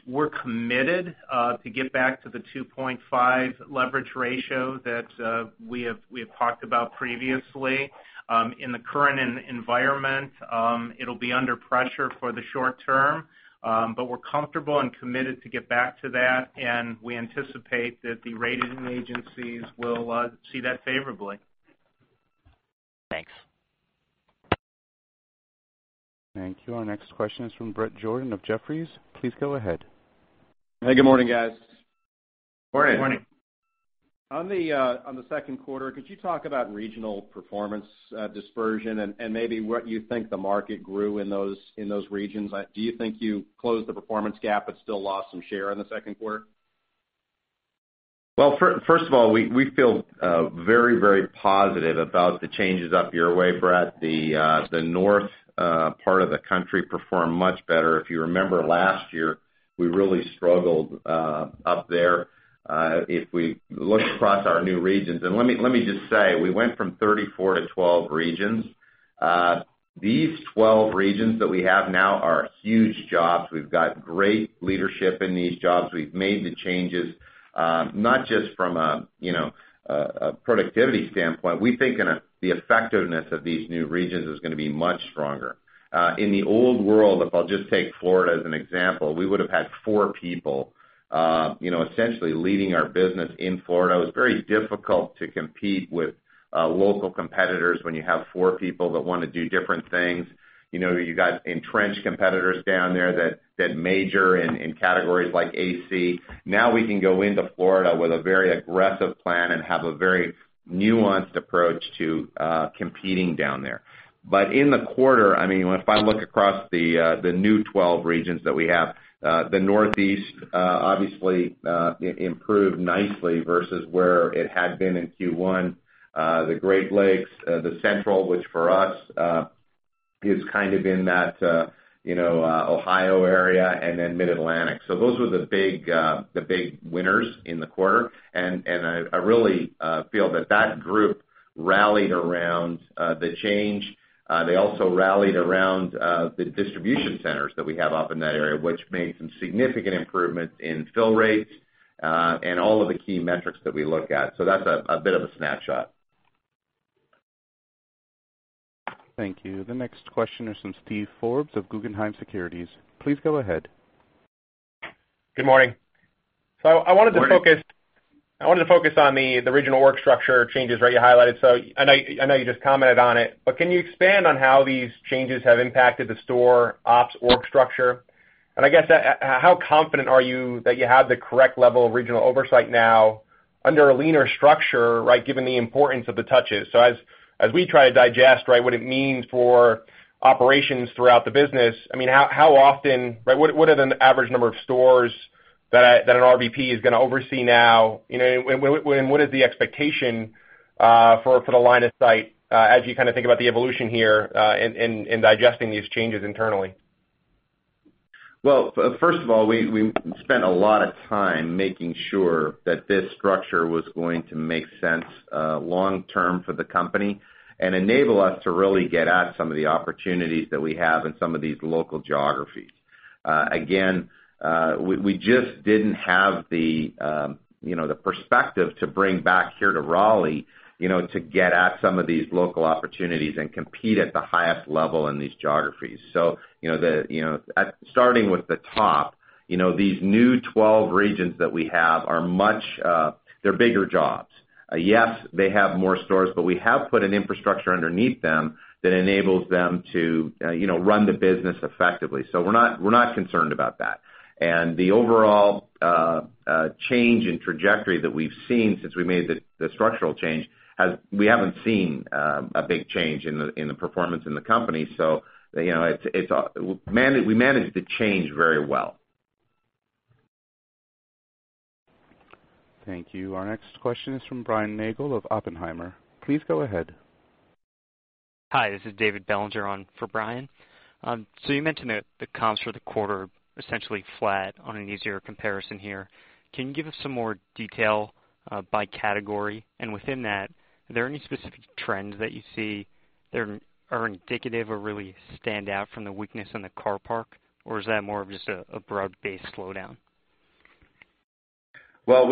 Speaker 4: We're committed to get back to the 2.5 leverage ratio that we have talked about previously. In the current environment, it'll be under pressure for the short term, we're comfortable and committed to get back to that, and we anticipate that the rating agencies will see that favorably.
Speaker 3: Thanks.
Speaker 1: Thank you. Our next question is from Bret Jordan of Jefferies. Please go ahead.
Speaker 13: Good morning, guys.
Speaker 3: Morning.
Speaker 4: Morning.
Speaker 13: On the second quarter, could you talk about regional performance dispersion and maybe what you think the market grew in those regions? Do you think you closed the performance gap but still lost some share in the second quarter?
Speaker 3: Well, first of all, we feel very positive about the changes up your way, Bret. The north part of the country performed much better. If you remember last year, we really struggled up there if we look across our new regions. Let me just say, we went from 34 to 12 regions. These 12 regions that we have now are huge jobs. We've got great leadership in these jobs. We've made the changes, not just from a productivity standpoint. We think the effectiveness of these new regions is going to be much stronger. In the old world, if I'll just take Florida as an example, we would've had four people essentially leading our business in Florida. It was very difficult to compete with local competitors when you have four people that want to do different things. You got entrenched competitors down there that major in categories like AC. Now we can go into Florida with a very aggressive plan and have a very nuanced approach to competing down there. In the quarter, if I look across the new 12 regions that we have, the Northeast obviously improved nicely versus where it had been in Q1. The Great Lakes, the Central, which for us is kind of in that Ohio area, and then Mid-Atlantic. Those were the big winners in the quarter, and I really feel that that group rallied around the change. They also rallied around the distribution centers that we have up in that area, which made some significant improvement in fill rates, and all of the key metrics that we look at. That's a bit of a snapshot.
Speaker 1: Thank you. The next question is from Steven Forbes of Guggenheim Securities. Please go ahead.
Speaker 14: Good morning.
Speaker 3: Morning.
Speaker 14: I wanted to focus on the regional org structure changes you highlighted. I know you just commented on it, but can you expand on how these changes have impacted the store ops org structure? I guess, how confident are you that you have the correct level of regional oversight now under a leaner structure given the importance of the touches? As we try to digest what it means for operations throughout the business, what are the average number of stores that an RVP is going to oversee now? And what is the expectation for the line of sight as you think about the evolution here in digesting these changes internally?
Speaker 3: Well, first of all, we spent a lot of time making sure that this structure was going to make sense long term for the company and enable us to really get at some of the opportunities that we have in some of these local geographies. Again, we just didn't have the perspective to bring back here to Raleigh to get at some of these local opportunities and compete at the highest level in these geographies. Starting with the top, these new 12 regions that we have, they're bigger jobs. Yes, they have more stores, but we have put an infrastructure underneath them that enables them to run the business effectively. We're not concerned about that. The overall change in trajectory that we've seen since we made the structural change, we haven't seen a big change in the performance in the company. We managed the change very well.
Speaker 1: Thank you. Our next question is from Brian Nagel of Oppenheimer. Please go ahead.
Speaker 15: Hi, this is David Bellinger on for Brian. You mentioned that the comps for the quarter essentially flat on an easier comparison here. Can you give us some more detail by category? Within that, are there any specific trends that you see that are indicative or really stand out from the weakness in the car parc? Or is that more of just a broad-based slowdown?
Speaker 3: Well,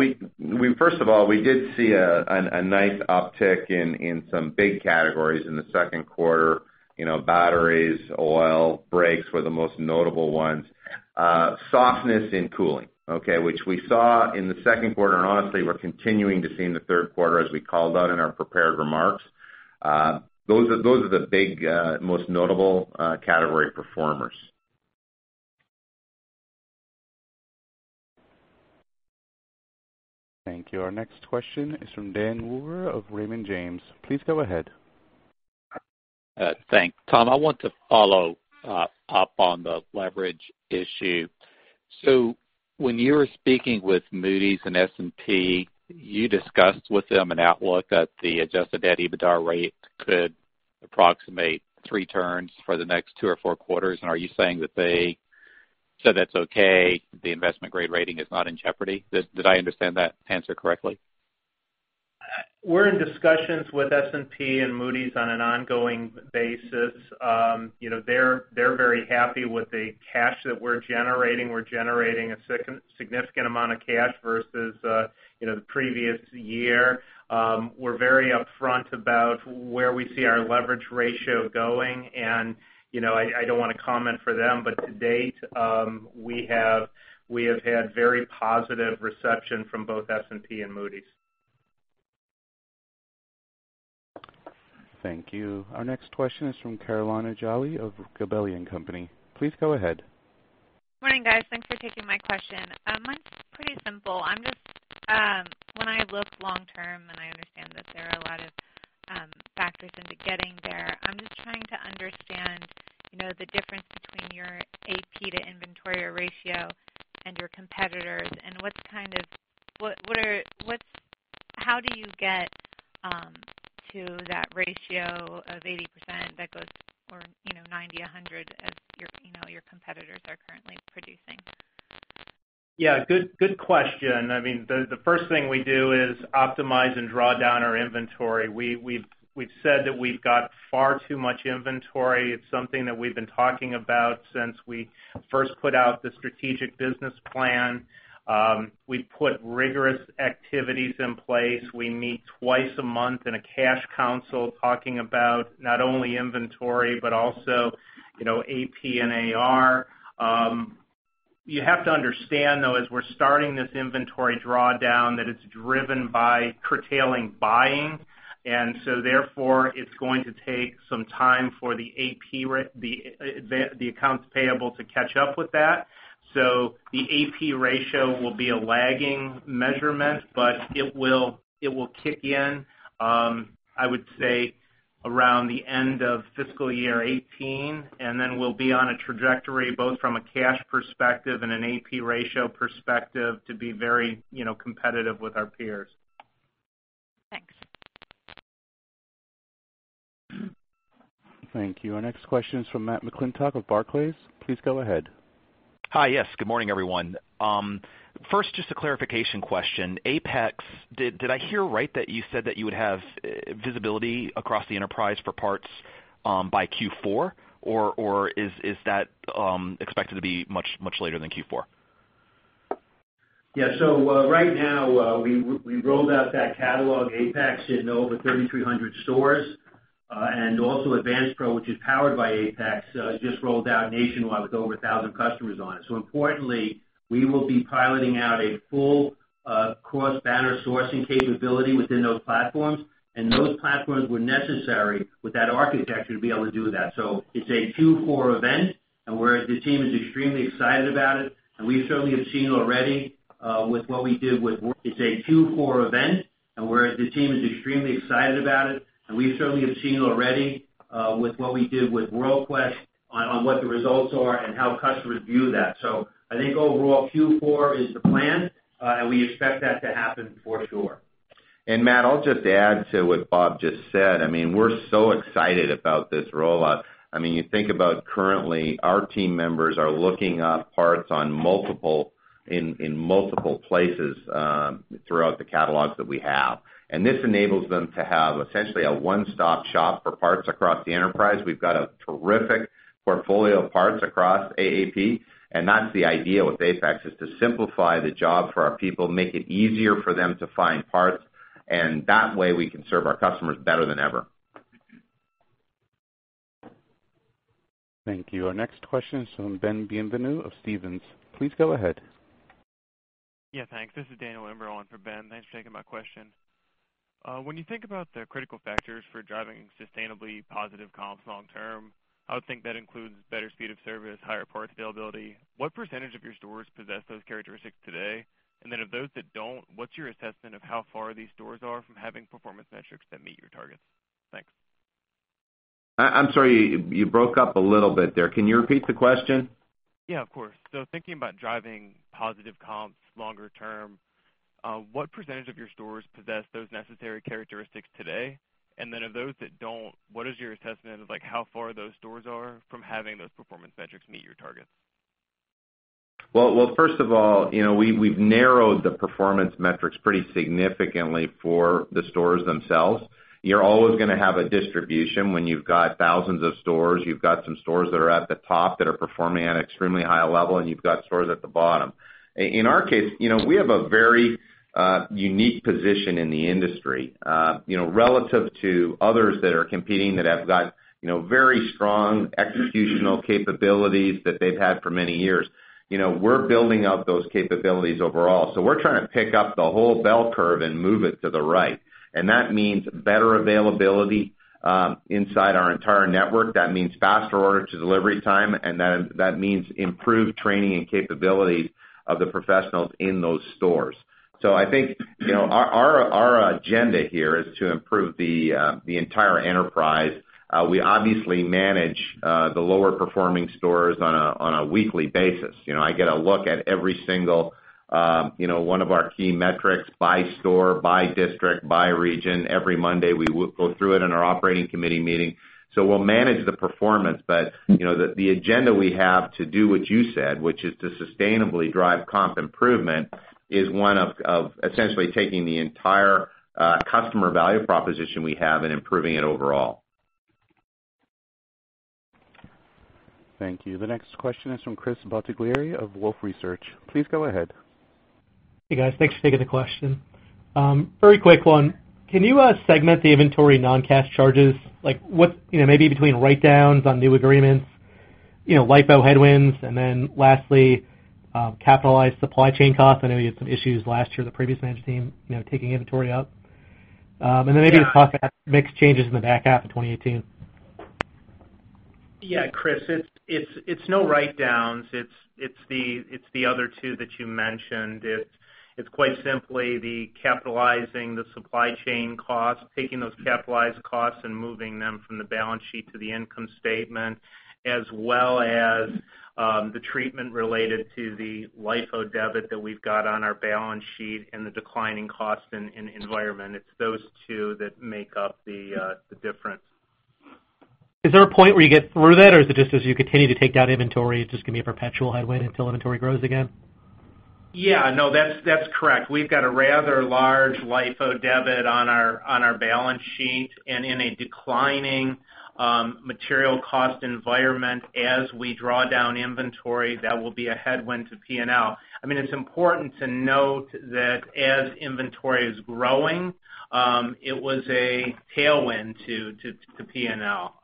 Speaker 3: first of all, we did see a nice uptick in some big categories in the second quarter. Batteries, oil, brakes were the most notable ones. Softness in cooling, okay? Which we saw in the second quarter, and honestly, we're continuing to see in the third quarter as we called out in our prepared remarks. Those are the big, most notable category performers.
Speaker 1: Thank you. Our next question is from Dan Wewer of Raymond James. Please go ahead.
Speaker 16: Thanks. Tom, I want to follow up on the leverage issue. When you were speaking with Moody's and S&P, you discussed with them an outlook that the adjusted debt EBITDA rate could approximate three turns for the next two or four quarters, and are you saying that they said that's okay, the investment grade rating is not in jeopardy? Did I understand that answer correctly?
Speaker 4: We're in discussions with S&P and Moody's on an ongoing basis. They're very happy with the cash that we're generating. We're generating a significant amount of cash versus the previous year. We're very upfront about where we see our leverage ratio going, and I don't want to comment for them, but to date, we have had very positive reception from both S&P and Moody's.
Speaker 1: Thank you. Our next question is from Carolina Jolly of Gabelli & Company. Please go ahead.
Speaker 17: Morning, guys. Thanks for taking my question. Mine's pretty simple. When I look long term, and I understand that there are a lot of factors into getting there, I'm just trying to understand the difference between your AP to inventory ratio and your competitors, and how do you get to that ratio of 80% that goes or 90%, 100% as your competitors are currently producing?
Speaker 4: Yeah. Good question. The first thing we do is optimize and draw down our inventory. We've said that we've got far too much inventory. It's something that we've been talking about since we first put out the strategic business plan. We put rigorous activities in place. We meet two times a month in a cash council talking about not only inventory, but also AP and AR. You have to understand, though, as we're starting this inventory drawdown, that it's driven by curtailing buying. Therefore, it's going to take some time for the accounts payable to catch up with that. The AP ratio will be a lagging measurement, but it will kick in, I would say around the end of fiscal year 2018, and then we'll be on a trajectory, both from a cash perspective and an AP ratio perspective to be very competitive with our peers.
Speaker 17: Thanks.
Speaker 1: Thank you. Our next question is from Matthew McClintock of Barclays. Please go ahead.
Speaker 18: Hi. Yes. Good morning, everyone. First, just a clarification question. APEX, did I hear right that you said that you would have visibility across the enterprise for parts by Q4, or is that expected to be much later than Q4?
Speaker 19: Yeah. Right now, we rolled out that catalog, APEX, in over 3,300 stores. Also AdvancePro, which is powered by APEX, just rolled out nationwide with over 1,000 customers on it. Importantly, we will be piloting out a full cross-banner sourcing capability within those platforms, and those platforms were necessary with that architecture to be able to do that. It's a Q4 event, and the team is extremely excited about it, and we certainly have seen already with what we did with Worldpac on what the results are and how customers view that. I think overall, Q4 is the plan, and we expect that to happen for sure.
Speaker 3: Matt, I'll just add to what Bob just said. We're so excited about this rollout. You think about currently our team members are looking up parts in multiple places throughout the catalogs that we have. This enables them to have essentially a one-stop shop for parts across the enterprise. We've got a terrific portfolio of parts across AAP, and that's the idea with APEX, is to simplify the job for our people, make it easier for them to find parts, and that way we can serve our customers better than ever.
Speaker 1: Thank you. Our next question is from Ben Bienvenu of Stephens. Please go ahead.
Speaker 20: Thanks. This is Daniel Imbro in for Ben. Thanks for taking my question. When you think about the critical factors for driving sustainably positive comps long term, I would think that includes better speed of service, higher parts availability. What percentage of your stores possess those characteristics today? Then of those that don't, what's your assessment of how far these stores are from having performance metrics that meet your targets? Thanks.
Speaker 3: I'm sorry, you broke up a little bit there. Can you repeat the question?
Speaker 20: Yeah, of course. Thinking about driving positive comps longer term, what percentage of your stores possess those necessary characteristics today? Of those that don't, what is your assessment of how far those stores are from having those performance metrics meet your targets?
Speaker 3: Well, first of all, we've narrowed the performance metrics pretty significantly for the stores themselves. You're always going to have a distribution when you've got thousands of stores. You've got some stores that are at the top that are performing at an extremely high level, and you've got stores at the bottom. In our case, we have a very unique position in the industry. Relative to others that are competing that have got very strong executional capabilities that they've had for many years, we're building out those capabilities overall. We're trying to pick up the whole bell curve and move it to the right. That means better availability inside our entire network. That means faster order to delivery time, and that means improved training and capabilities of the professionals in those stores. I think our agenda here is to improve the entire enterprise. We obviously manage the lower performing stores on a weekly basis. I get a look at every single one of our key metrics by store, by district, by region. Every Monday we go through it in our operating committee meeting. We'll manage the performance, but the agenda we have to do what you said, which is to sustainably drive comp improvement, is one of essentially taking the entire customer value proposition we have and improving it overall.
Speaker 1: Thank you. The next question is from Chris Bottiglieri of Wolfe Research. Please go ahead.
Speaker 21: Hey, guys. Thanks for taking the question. Very quick one. Can you segment the inventory non-cash charges? Maybe between write-downs on new agreements LIFO headwinds, then lastly, capitalized supply chain costs. I know you had some issues last year, the previous management team taking inventory out. Then maybe the cost mix changes in the back half of 2018.
Speaker 4: Yeah, Chris, it's no write-downs. It's the other two that you mentioned. It's quite simply the capitalizing the supply chain costs, taking those capitalized costs and moving them from the balance sheet to the income statement, as well as the treatment related to the LIFO debit that we've got on our balance sheet and the declining cost in the environment. It's those two that make up the difference.
Speaker 21: Is there a point where you get through that or is it just as you continue to take down inventory, it's just going to be a perpetual headwind until inventory grows again?
Speaker 4: Yeah. No, that's correct. We've got a rather large LIFO debit on our balance sheet and in a declining material cost environment as we draw down inventory, that will be a headwind to P&L. It's important to note that as inventory is growing, it was a tailwind to P&L.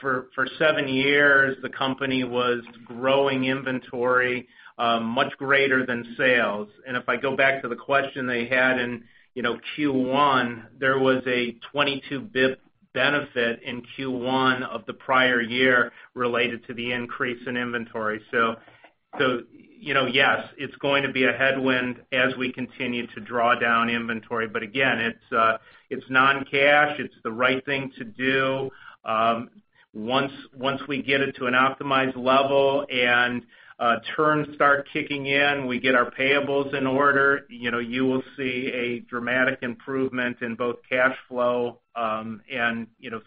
Speaker 4: For seven years, the company was growing inventory much greater than sales. If I go back to the question they had in Q1, there was a 22 bps benefit in Q1 of the prior year related to the increase in inventory. Yes, it's going to be a headwind as we continue to draw down inventory, but again, it's non-cash. It's the right thing to do. Once we get it to an optimized level and turns start kicking in, we get our payables in order, you will see a dramatic improvement in both cash flow and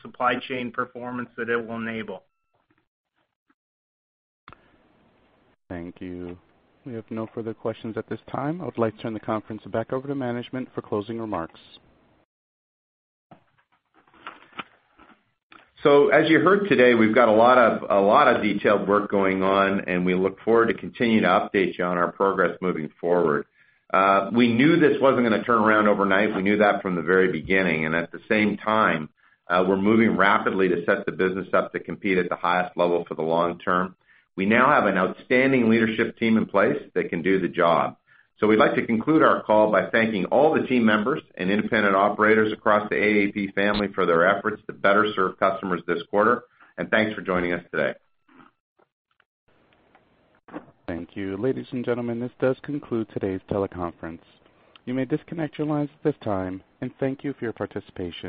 Speaker 4: supply chain performance that it will enable.
Speaker 1: Thank you. We have no further questions at this time. I would like to turn the conference back over to management for closing remarks.
Speaker 3: As you heard today, we've got a lot of detailed work going on, and we look forward to continuing to update you on our progress moving forward. We knew this wasn't going to turn around overnight. We knew that from the very beginning. At the same time, we're moving rapidly to set the business up to compete at the highest level for the long term. We now have an outstanding leadership team in place that can do the job. We'd like to conclude our call by thanking all the team members and independent operators across the AAP family for their efforts to better serve customers this quarter, and thanks for joining us today.
Speaker 1: Thank you. Ladies and gentlemen, this does conclude today's teleconference. You may disconnect your lines at this time, and thank you for your participation.